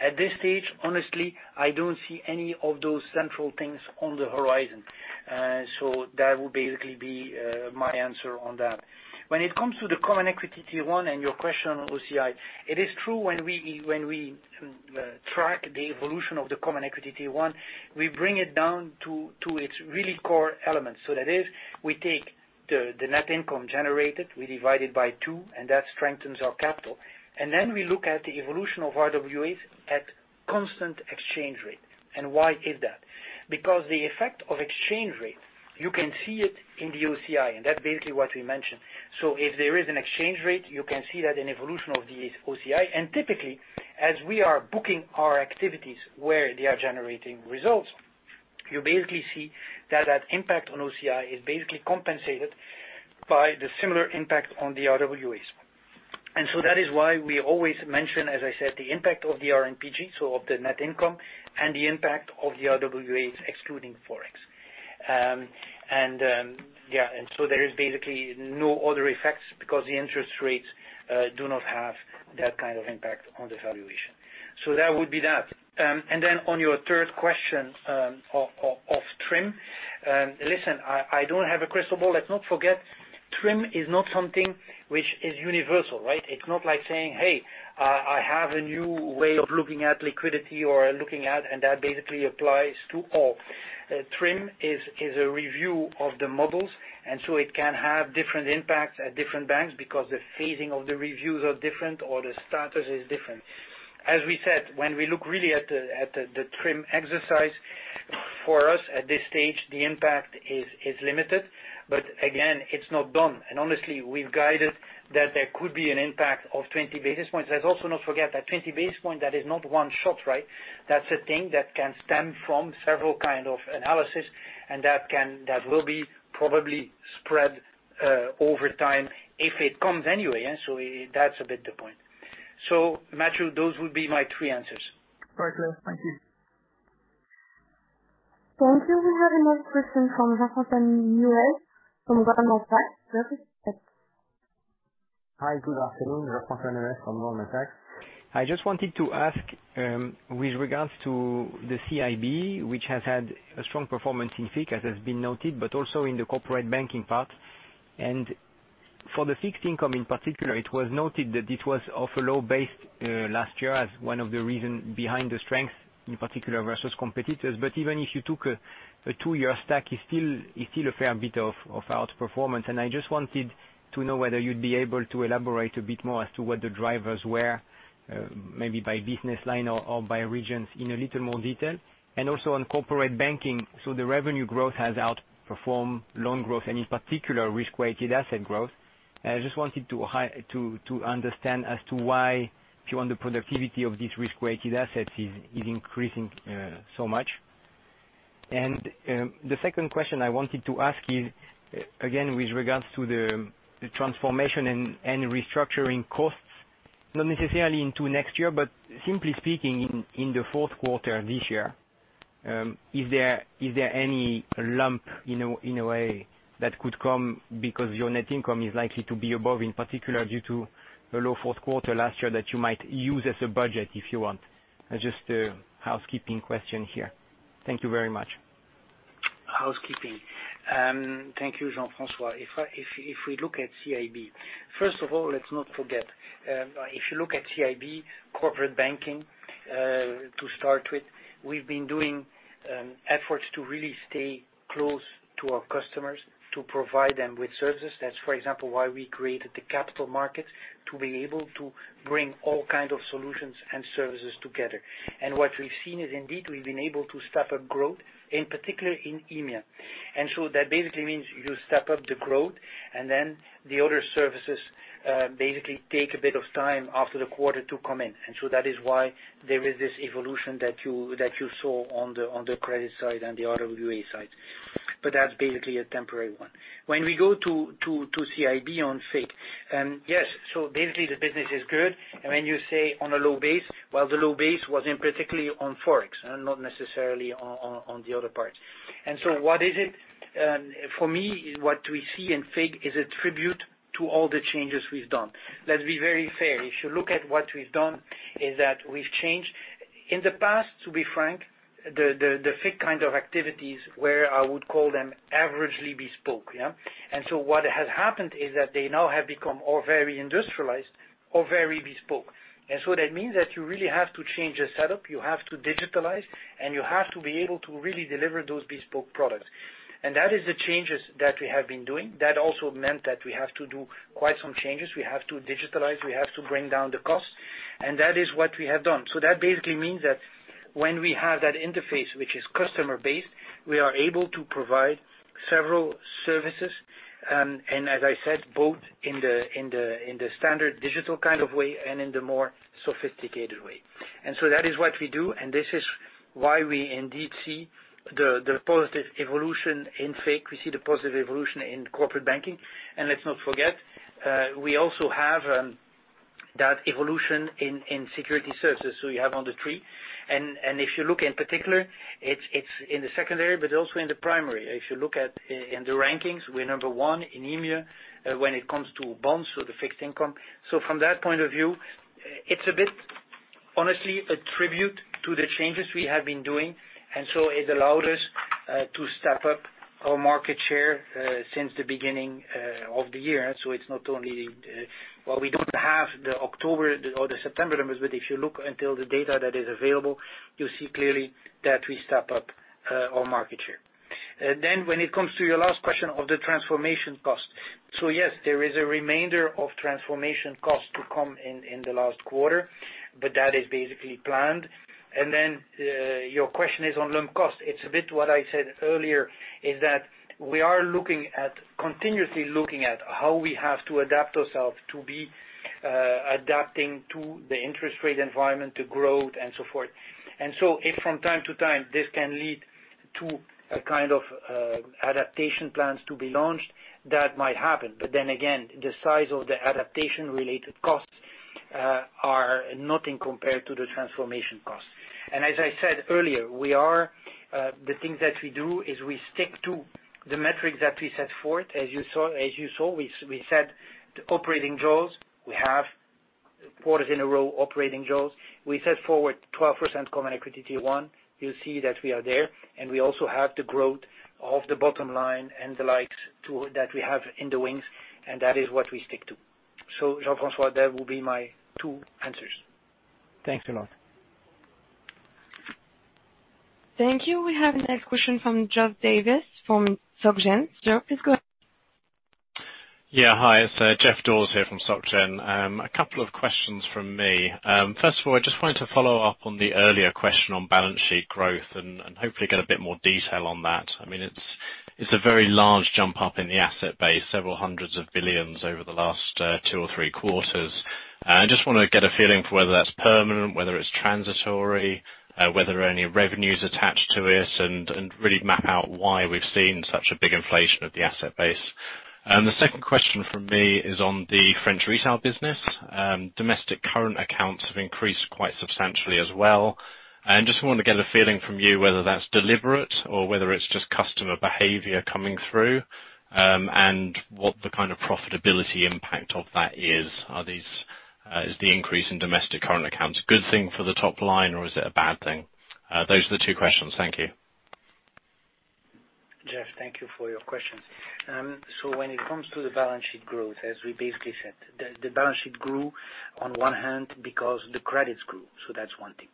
At this stage, honestly, I don't see any of those central things on the horizon. That would basically be my answer on that. When it comes to the Common Equity Tier 1 and your question on OCI, it is true when we track the evolution of the Common Equity Tier 1, we bring it down to its really core elements. That is, we take the net income generated, we divide it by two, and that strengthens our capital. Then we look at the evolution of RWAs at constant exchange rate. Why is that? Because the effect of exchange rate, you can see it in the OCI, and that's basically what we mentioned. If there is an exchange rate, you can see that in evolution of the OCI. Typically, as we are booking our activities where they are generating results, you basically see that that impact on OCI is basically compensated by the similar impact on the RWAs. That is why we always mention, as I said, the impact of the RNPG, so of the net income, and the impact of the RWAs excluding Forex. Yeah. There is basically no other effects because the interest rates do not have that kind of impact on the valuation. That would be that. On your third question of TRIM, listen, I don't have a crystal ball. Let's not forget TRIM is not something which is universal. It's not like saying, "Hey, I have a new way of looking at liquidity or looking at, and that basically applies to all." TRIM is a review of the models, and so it can have different impacts at different banks because the phasing of the reviews are different or the status is different. As we said, when we look really at the TRIM exercise, for us, at this stage, the impact is limited, again, it's not done. Honestly, we've guided that there could be an impact of 20 basis points. Let's also not forget that 20 basis point, that is not one shot. That's a thing that can stem from several kind of analysis and that will be probably spread over time if it comes anyway. That's a bit the point. Matthew, those would be my three answers. Perfect. Thank you. I think we have another question from François-Xavier de Malleray from Goldman Sachs. Go ahead. Hi, good afternoon. François-Xavier de Malleray from Goldman Sachs. I just wanted to ask, with regards to the CIB, which has had a strong performance in FICC, as has been noted, but also in the corporate banking part. For the fixed income in particular, it was noted that it was off a low base last year as one of the reason behind the strength, in particular versus competitors. But even if you took a two-year stack, it's still a fair bit of outperformance. I just wanted to know whether you'd be able to elaborate a bit more as to what the drivers were, maybe by business line or by regions in a little more detail. Also on corporate banking, so the revenue growth has outperformed loan growth and in particular RWA growth. I just wanted to understand as to why, if you want, the productivity of these Risk-Weighted Assets is increasing so much. The second question I wanted to ask is, again, with regards to the transformation and restructuring costs, not necessarily into next year, but simply speaking in the fourth quarter this year, is there any lump in a way that could come because your net income is likely to be above, in particular, due to the low fourth quarter last year that you might use as a budget, if you want? Just a housekeeping question here. Thank you very much. Housekeeping. Thank you, François. If we look at CIB, first of all, let's not forget, if you look at CIB corporate banking to start with, we've been doing efforts to really stay close to our customers to provide them with services. That's, for example, why we created the capital market, to be able to bring all kind of solutions and services together. What we've seen is indeed we've been able to step up growth, in particular in EMEA. That basically means you step up the growth and then the other services basically take a bit of time after the quarter to come in. That is why there is this evolution that you saw on the credit side and the RWA side. That's basically a temporary one. When we go to CIB on FICC, yes, basically the business is good. When you say on a low base, well, the low base was in particular on Forex and not necessarily on the other parts. What is it? For me, what we see in FICC is a tribute to all the changes we've done. Let's be very fair. If you look at what we've done, is that we've changed. In the past, to be frank, the FICC kind of activities were I would call them averagely bespoke. What has happened is that they now have become all very industrialized or very bespoke. That means that you really have to change the setup, you have to digitalize, and you have to be able to really deliver those bespoke products. That is the changes that we have been doing. That also meant that we have to do quite some changes. We have to digitalize. We have to bring down the cost. That is what we have done. That basically means that when we have that interface, which is customer based, we are able to provide several services, and as I said, both in the standard digital kind of way and in the more sophisticated way. That is what we do, and this is why we indeed see the positive evolution in FICC. We see the positive evolution in corporate banking. Let's not forget, we also have that evolution in Securities Services. You have on the three. If you look in particular, it's in the secondary, but also in the primary. If you look at in the rankings, we're number one in EMEA when it comes to bonds, so the fixed income. From that point of view, it's a bit, honestly, a tribute to the changes we have been doing, it allowed us to step up our market share since the beginning of the year. It's not only the Well, we don't have the October or the September numbers, but if you look until the data that is available, you see clearly that we step up our market share. When it comes to your last question of the transformation cost. Yes, there is a remainder of transformation cost to come in the last quarter, but that is basically planned. Your question is on loan cost. It's a bit what I said earlier, is that we are continuously looking at how we have to adapt ourselves to be adapting to the interest rate environment, to growth and so forth. If from time to time, this can lead to a kind of adaptation plans to be launched, that might happen. The size of the adaptation-related costs are nothing compared to the transformation cost. As I said earlier, the things that we do is we stick to the metrics that we set forth. As you saw, we set the operating goals. We have Quarters in a row operating jaws. We set forward 12% Common Equity Tier 1. You'll see that we are there, and we also have the growth of the bottom line and the likes tool that we have in the wings, and that is what we stick to. François-Xavier de Malleray, that will be my two answers. Thanks a lot. Thank you. We have next question from Jeff Dawes from Societe Generale. Jeff, please go ahead. Hi. It's Jeff Dawes here from Societe Generale. A couple of questions from me. First of all, I just wanted to follow up on the earlier question on balance sheet growth and hopefully get a bit more detail on that. It's a very large jump up in the asset base, several hundreds of billions over the last two or three quarters. I just want to get a feeling for whether that's permanent, whether it's transitory, whether any revenue's attached to it, and really map out why we've seen such a big inflation of the asset base. The second question from me is on the French retail business. Domestic current accounts have increased quite substantially as well. I just want to get a feeling from you whether that's deliberate or whether it's just customer behavior coming through, and what the kind of profitability impact of that is. Is the increase in domestic current accounts a good thing for the top line, or is it a bad thing? Those are the two questions. Thank you. Jeff, thank you for your questions. When it comes to the balance sheet growth, as we basically said, the balance sheet grew on one hand because the credits grew. That's one thing.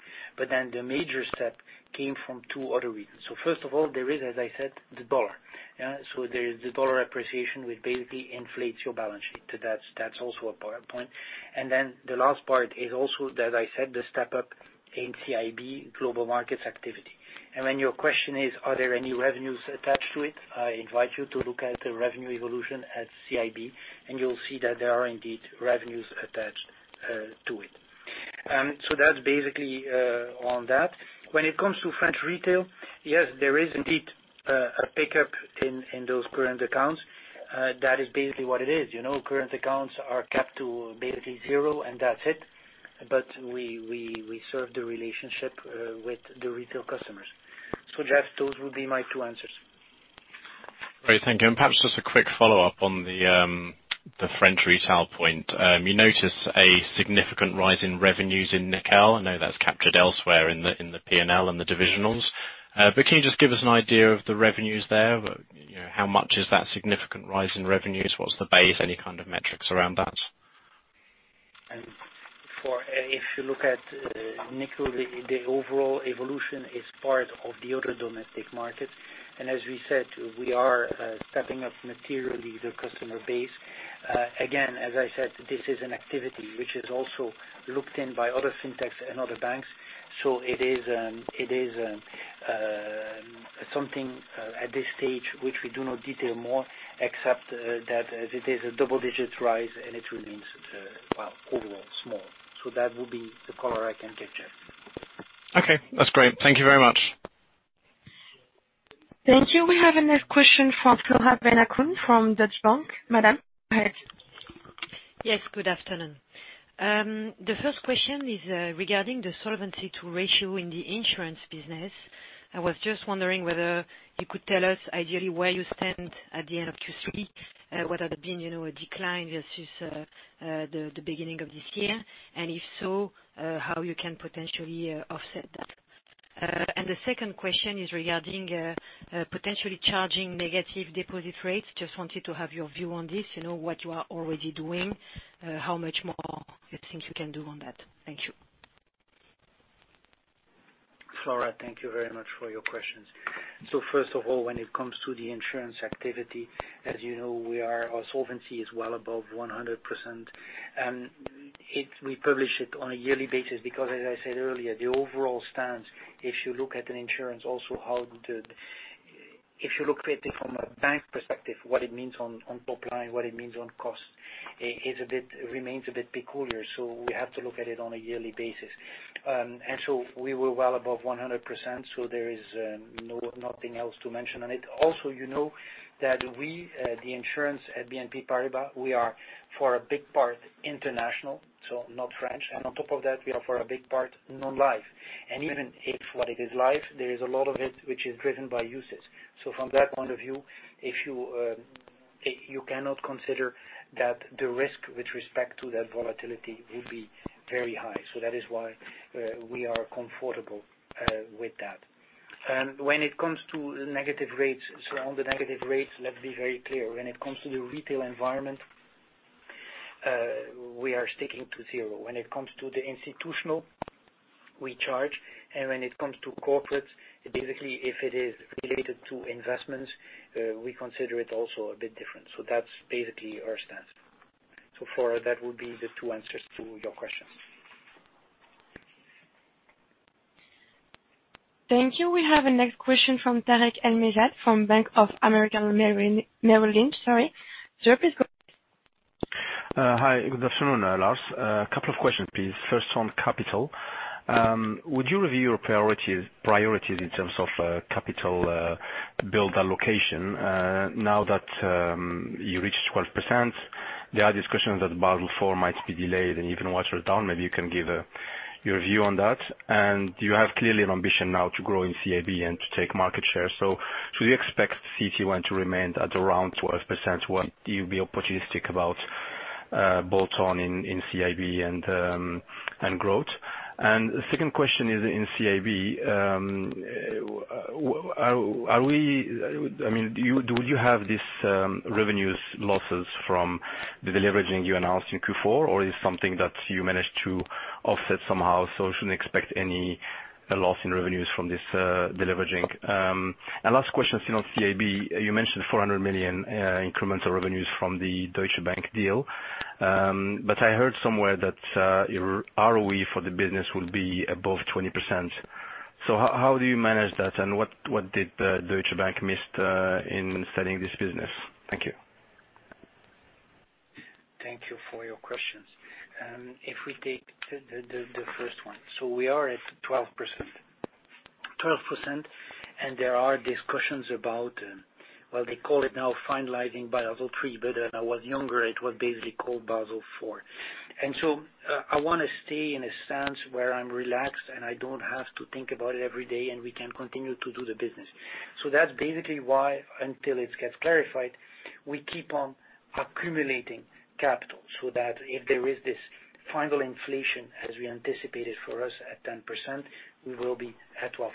The major step came from two other reasons. First of all, there is, as I said, the dollar. There is the dollar appreciation, which basically inflates your balance sheet. That's also a power point. The last part is also, as I said, the step up in CIB Global Markets activity. When your question is, are there any revenues attached to it? I invite you to look at the revenue evolution at CIB, and you'll see that there are indeed revenues attached to it. That's basically on that. When it comes to French retail, yes, there is indeed a pickup in those current accounts. That is basically what it is. Current accounts are kept to basically zero, and that's it. We serve the relationship with the retail customers. Jeff, those would be my two answers. Great. Thank you. Perhaps just a quick follow-up on the French retail point. You notice a significant rise in revenues in Nickel. I know that's captured elsewhere in the P&L and the divisionals. Can you just give us an idea of the revenues there? How much is that significant rise in revenues? What's the base? Any kind of metrics around that? If you look at Nickel, the overall evolution is part of the other Domestic Markets. As we said, we are stepping up materially the customer base. Again, as I said, this is an activity which is also looked in by other fintechs and other banks. It is something at this stage which we do not detail more, except that it is a double-digit rise, and it remains overall small. That would be the color I can give Jeff. Okay. That's great. Thank you very much. Thank you. We have a next question from Flora Bocahut from Deutsche Bank. Madam, go ahead. Yes, good afternoon. The first question is regarding the Solvency II ratio in the insurance business. I was just wondering whether you could tell us ideally where you stand at the end of Q3, whether there have been any decline versus the beginning of this year. If so, how you can potentially offset that. The second question is regarding potentially charging negative deposit rates. Just wanted to have your view on this, what you are already doing, how much more you think you can do on that. Thank you. Flora, thank you very much for your questions. First of all, when it comes to the insurance activity, as you know, our solvency is well above 100%. We publish it on a yearly basis because, as I said earlier, the overall stance, if you look at an insurance also how the If you look at it from a bank perspective, what it means on top line, what it means on cost, it remains a bit peculiar, so we have to look at it on a yearly basis. We were well above 100%, so there is nothing else to mention on it. Also, you know that we, the insurance at BNP Paribas, we are for a big part international, so not French. On top of that, we are for a big part non-life. Even if what it is life, there is a lot of it which is driven by usage. From that point of view, you cannot consider that the risk with respect to that volatility will be very high. That is why we are comfortable with that. When it comes to negative rates, let's be very clear. When it comes to the retail environment, we are sticking to zero. When it comes to the institutional, we charge. When it comes to corporate, basically, if it is related to investments, we consider it also a bit different. That's basically our stance. Flora, that would be the two answers to your questions. Thank you. We have a next question from Tarik El Mejjad from Bank of America Merrill Lynch. Sorry. Sir, please go ahead. Hi, good afternoon, Lars. A couple of questions, please. First on capital. Would you review your priorities in terms of capital build allocation now that you reached 12%? There are discussions that Basel IV might be delayed and even watered down. Maybe you can give a Your view on that. You have clearly an ambition now to grow in CIB and to take market share. Do you expect CET1 to remain at around 12% while you'll be opportunistic about bolt-on in CIB and growth? The second question is in CIB, do you have these revenues losses from the deleveraging you announced in Q4, or is something that you managed to offset somehow, so shouldn't expect any loss in revenues from this deleveraging? Last question on CIB. You mentioned 400 million incremental revenues from the Deutsche Bank deal. I heard somewhere that your ROE for the business will be above 20%. How do you manage that, and what did Deutsche Bank miss in selling this business? Thank you. Thank you for your questions. If we take the first one. We are at 12%, and there are discussions about, well, they call it now finalizing Basel III, but when I was younger, it was basically called Basel IV. I want to stay in a stance where I'm relaxed, and I don't have to think about it every day, and we can continue to do the business. That's basically why, until it gets clarified, we keep on accumulating capital so that if there is this final inflation, as we anticipated for us at 10%, we will be at 12%.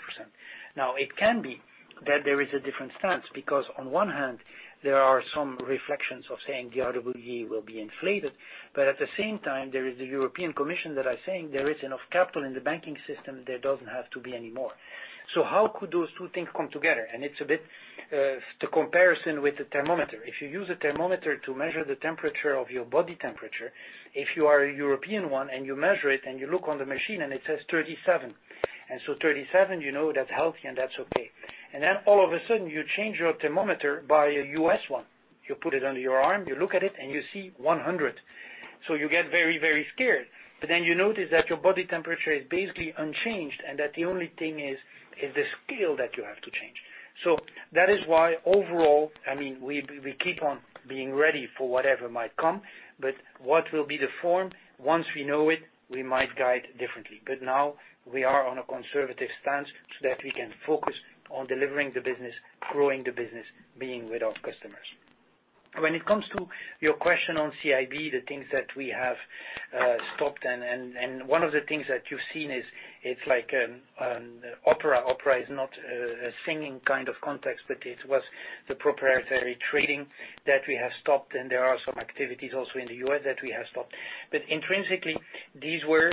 Now, it can be that there is a different stance because on one hand, there are some reflections of saying the RWA will be inflated. At the same time, there is the European Commission that are saying there is enough capital in the banking system, there doesn't have to be any more. How could those two things come together? It's a bit the comparison with the thermometer. If you use a thermometer to measure the temperature of your body temperature, if you are a European one and you measure it and you look on the machine and it says 37. 37, you know that's healthy and that's okay. All of a sudden, you change your thermometer by a U.S. one. You put it under your arm, you look at it, and you see 100. You get very scared. You notice that your body temperature is basically unchanged, and that the only thing is the scale that you have to change. That is why overall, we keep on being ready for whatever might come, but what will be the form? Once we know it, we might guide differently. Now we are on a conservative stance so that we can focus on delivering the business, growing the business, being with our customers. When it comes to your question on CIB, the things that we have stopped, and one of the things that you've seen is it's like Opera. Opera is not a singing kind of context, but it was the proprietary trading that we have stopped, and there are some activities also in the U.S. that we have stopped. Intrinsically, these were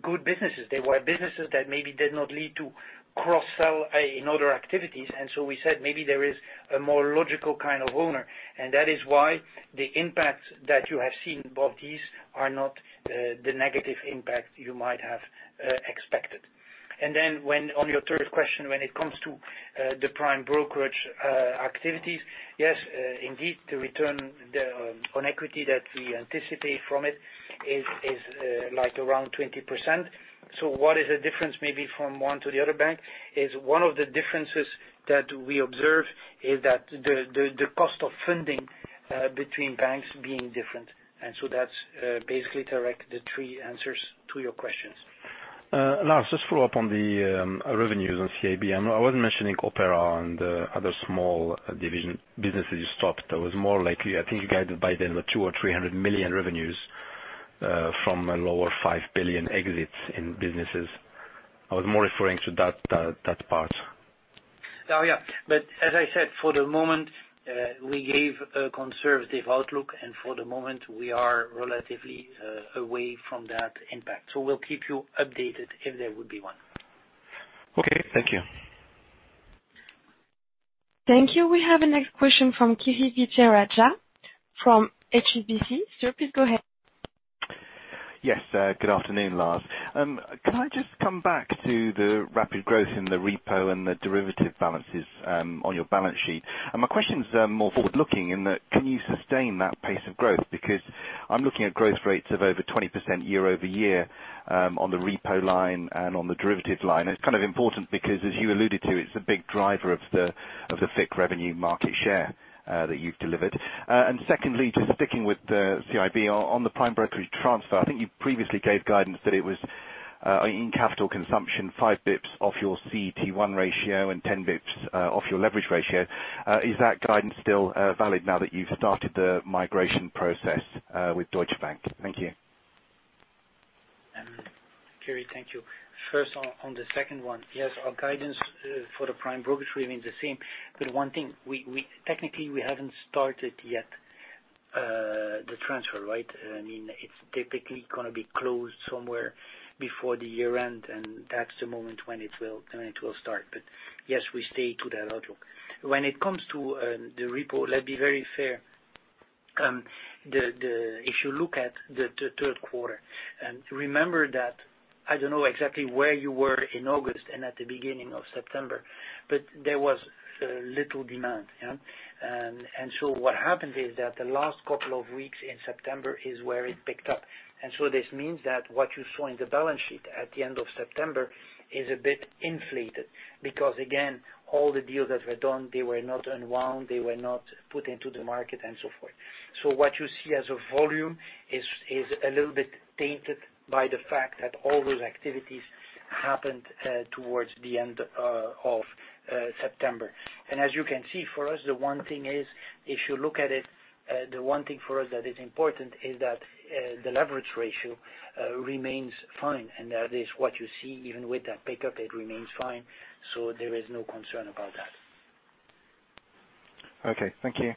good businesses. They were businesses that maybe did not lead to cross-sell in other activities, and so we said maybe there is a more logical kind of owner. That is why the impact that you have seen of these are not the negative impact you might have expected. On your third question, when it comes to the prime brokerage activities, yes, indeed, the return on equity that we anticipate from it is around 20%. What is the difference maybe from one to the other bank is one of the differences that we observe is that the cost of funding between banks being different. That's basically direct the three answers to your questions. Lars, just follow up on the revenues on CIB. I know I wasn't mentioning Opera and other small division businesses you stopped. I think you guided by then with two or 300 million revenues from a lower 5 billion exits in businesses. I was more referring to that part. Yeah. As I said, for the moment, we gave a conservative outlook, and for the moment, we are relatively away from that impact. We'll keep you updated if there would be one. Okay. Thank you. Thank you. We have the next question from Kirishanthan Vijayarajah from HSBC. Sir, please go ahead. Yes. Good afternoon, Lars. Can I just come back to the rapid growth in the repo and the derivative balances on your balance sheet? My question is more forward-looking in that can you sustain that pace of growth? Because I'm looking at growth rates of over 20% year over year on the repo line and on the derivative line. It's important because, as you alluded to, it's a big driver of the FICC revenue market share that you've delivered. Secondly, just sticking with the CIB on the prime brokerage transfer, I think you previously gave guidance that it was in capital consumption, 5 basis points off your CET1 ratio and 10 basis points off your leverage ratio. Is that guidance still valid now that you've started the migration process with Deutsche Bank? Thank you. Kiri, thank you. First on the second one. Yes, our guidance for the prime brokerage remains the same. One thing, technically, we haven't started yet the transfer, right? It's typically going to be closed somewhere before the year-end, and that's the moment when it will start. Yes, we stay to that outlook. When it comes to the repo, let's be very fair. If you look at the third quarter, remember that I don't know exactly where you were in August and at the beginning of September, but there was little demand. What happened is that the last couple of weeks in September is where it picked up. This means that what you saw in the balance sheet at the end of September is a bit inflated because, again, all the deals that were done, they were not unwound, they were not put into the market, and so forth. What you see as a volume is a little bit tainted by the fact that all those activities happened towards the end of September. As you can see, for us, if you look at it, the one thing for us that is important is that the leverage ratio remains fine. That is what you see, even with that pickup, it remains fine. There is no concern about that. Okay, thank you.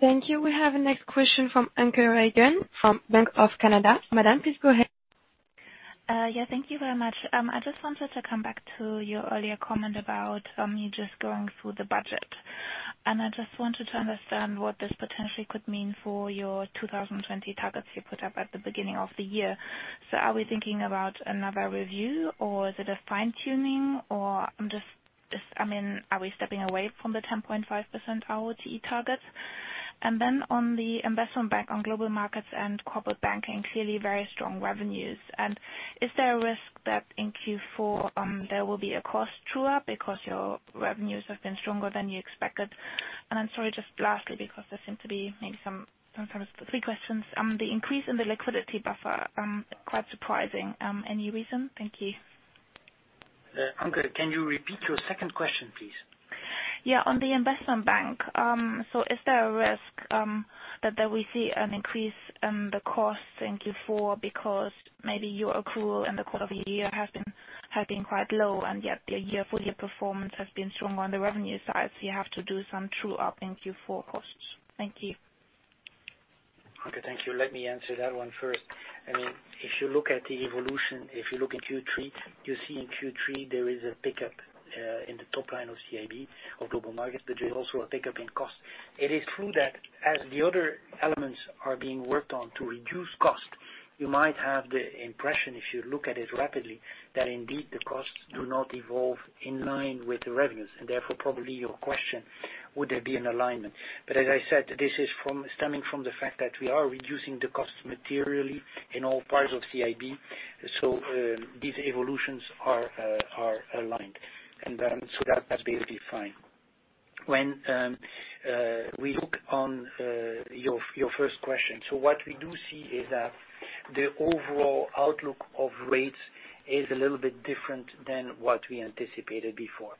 Thank you. We have the next question from Anke Reingen from Bank of Canada. Madam, please go ahead. Yeah, thank you very much. I just wanted to come back to your earlier comment about me just going through the budget. I just wanted to understand what this potentially could mean for your 2020 targets you put up at the beginning of the year. Are we thinking about another review, or is it a fine-tuning, or are we stepping away from the 10.5% ROTE targets? On the investment bank on Global Markets and corporate banking, clearly very strong revenues. Is there a risk that in Q4, there will be a cost true-up because your revenues have been stronger than you expected? I'm sorry, just lastly, because there seem to be maybe some three questions. The increase in the liquidity buffer, quite surprising. Any reason? Thank you. Anke, can you repeat your second question, please? Yeah, on the investment bank. Is there a risk that there we see an increase in the costs in Q4 because maybe your accrual and the course of a year have been quite low, and yet your full year performance has been stronger on the revenue side, so you have to do some true-up in Q4 costs. Thank you. Okay, thank you. Let me answer that one first. If you look at the evolution, if you look in Q3, you see in Q3 there is a pickup in the top line of CIB or Global Markets, but there's also a pickup in cost. It is true that as the other elements are being worked on to reduce cost, you might have the impression, if you look at it rapidly, that indeed the costs do not evolve in line with the revenues, and therefore probably your question, would there be an alignment? As I said, this is stemming from the fact that we are reducing the cost materially in all parts of CIB. These evolutions are aligned. That's basically fine. When we look on your first question, what we do see is that the overall outlook of rates is a little bit different than what we anticipated before.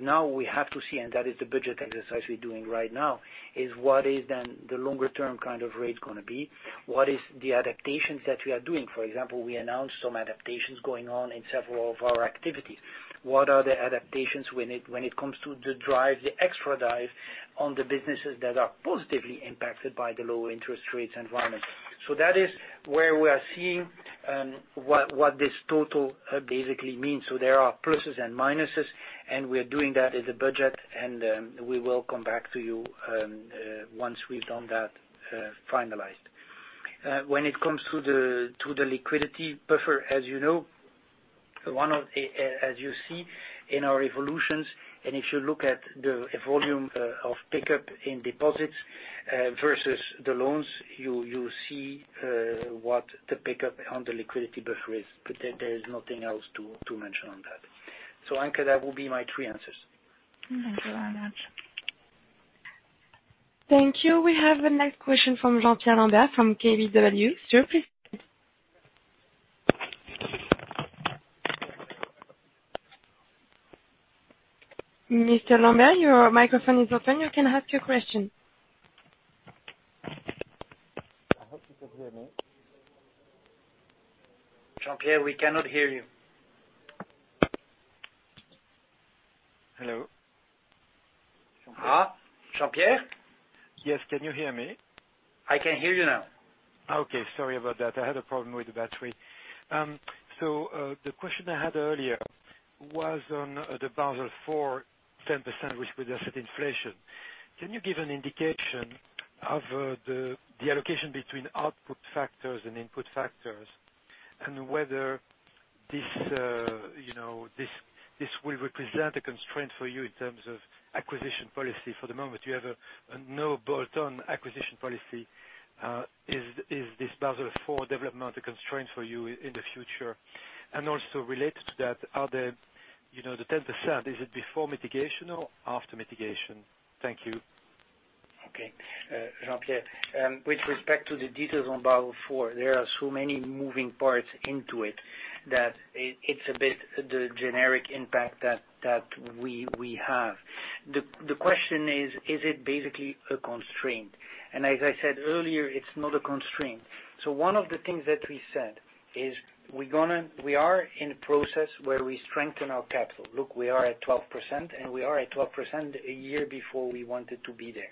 Now we have to see, and that is the budget exercise we're doing right now, is what is then the longer-term kind of rate going to be? What is the adaptations that we are doing? For example, we announced some adaptations going on in several of our activities. What are the adaptations when it comes to the drive, the extra drive on the businesses that are positively impacted by the low interest rates environment? That is where we are seeing what this total basically means. There are pluses and minuses, and we are doing that as a budget, and we will come back to you once we've done that finalized. When it comes to the liquidity buffer, as you see in our evolutions, if you look at the volume of pickup in deposits versus the loans, you will see what the pickup on the liquidity buffer is. There is nothing else to mention on that. Anke, that will be my three answers. Thank you very much. Thank you. We have the next question from Jean-Pierre Lambert from KBW. Sir, please. Mr. Lambert, your microphone is open. You can ask your question. I hope you can hear me. Jean-Pierre, we cannot hear you. Hello. Jean-Pierre? Yes, can you hear me? I can hear you now. Okay, sorry about that. I had a problem with the battery. The question I had earlier was on the Basel IV 10%, which was asset inflation. Can you give an indication of the allocation between output factors and input factors and whether this will represent a constraint for you in terms of acquisition policy? For the moment, you have no bolt-on acquisition policy. Is this Basel IV development a constraint for you in the future? Related to that, the 10%, is it before mitigation or after mitigation? Thank you. Okay. Jean-Pierre, with respect to the details on Basel IV, there are so many moving parts into it that it's a bit the generic impact that we have. The question is it basically a constraint? As I said earlier, it's not a constraint. One of the things that we said is we are in a process where we strengthen our capital. Look, we are at 12%, and we are at 12% a year before we wanted to be there.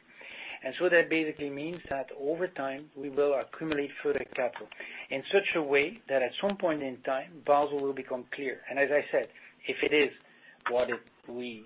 That basically means that over time, we will accumulate further capital in such a way that at some point in time, Basel will become clear. As I said, what if we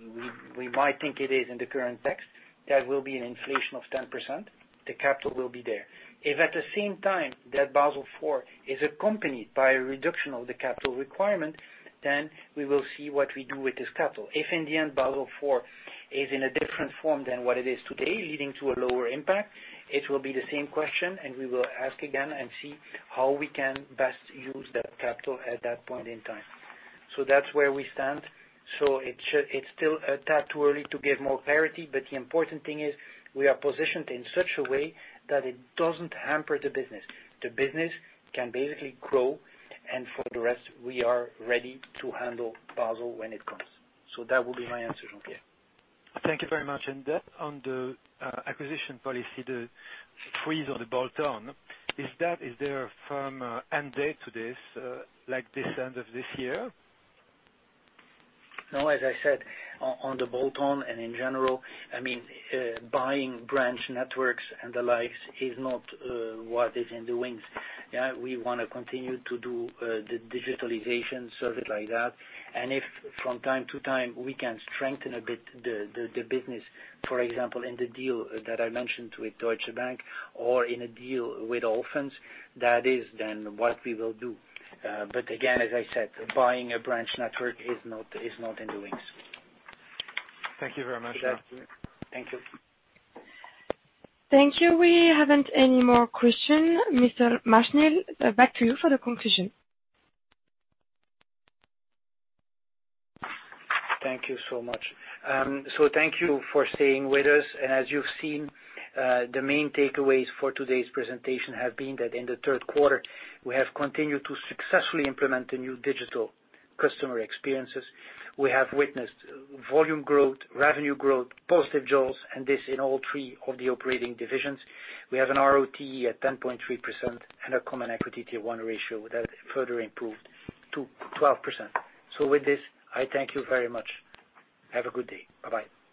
might think it is in the current text, that will be an inflation of 10%. The capital will be there. If at the same time that Basel IV is accompanied by a reduction of the capital requirement, then we will see what we do with this capital. If in the end, Basel IV is in a different form than what it is today, leading to a lower impact, it will be the same question, and we will ask again and see how we can best use that capital at that point in time. That's where we stand. It's still a tad too early to give more clarity, but the important thing is we are positioned in such a way that it doesn't hamper the business. The business can basically grow, and for the rest, we are ready to handle Basel when it comes. That will be my answer, Jean-Pierre. Thank you very much. On the acquisition policy, the freeze on the bolt-on, is there a firm end date to this, like this end of this year? No, as I said, on the bolt-on and in general, buying branch networks and the likes is not what is in the wings. We want to continue to do the digitalization, service like that. If from time to time, we can strengthen a bit the business, for example, in the deal that I mentioned with Deutsche Bank or in a deal with Allfunds, that is what we will do. Again, as I said, buying a branch network is not in the wings. Thank you very much. Thank you. Thank you. We haven't any more question. Mr. Machenil, back to you for the conclusion. Thank you so much. Thank you for staying with us. As you've seen, the main takeaways for today's presentation have been that in the third quarter, we have continued to successfully implement the new digital customer experiences. We have witnessed volume growth, revenue growth, positive jaws, and this in all three of the operating divisions. We have an ROTE at 10.3% and a Common Equity Tier 1 ratio that further improved to 12%. With this, I thank you very much. Have a good day. Bye-bye.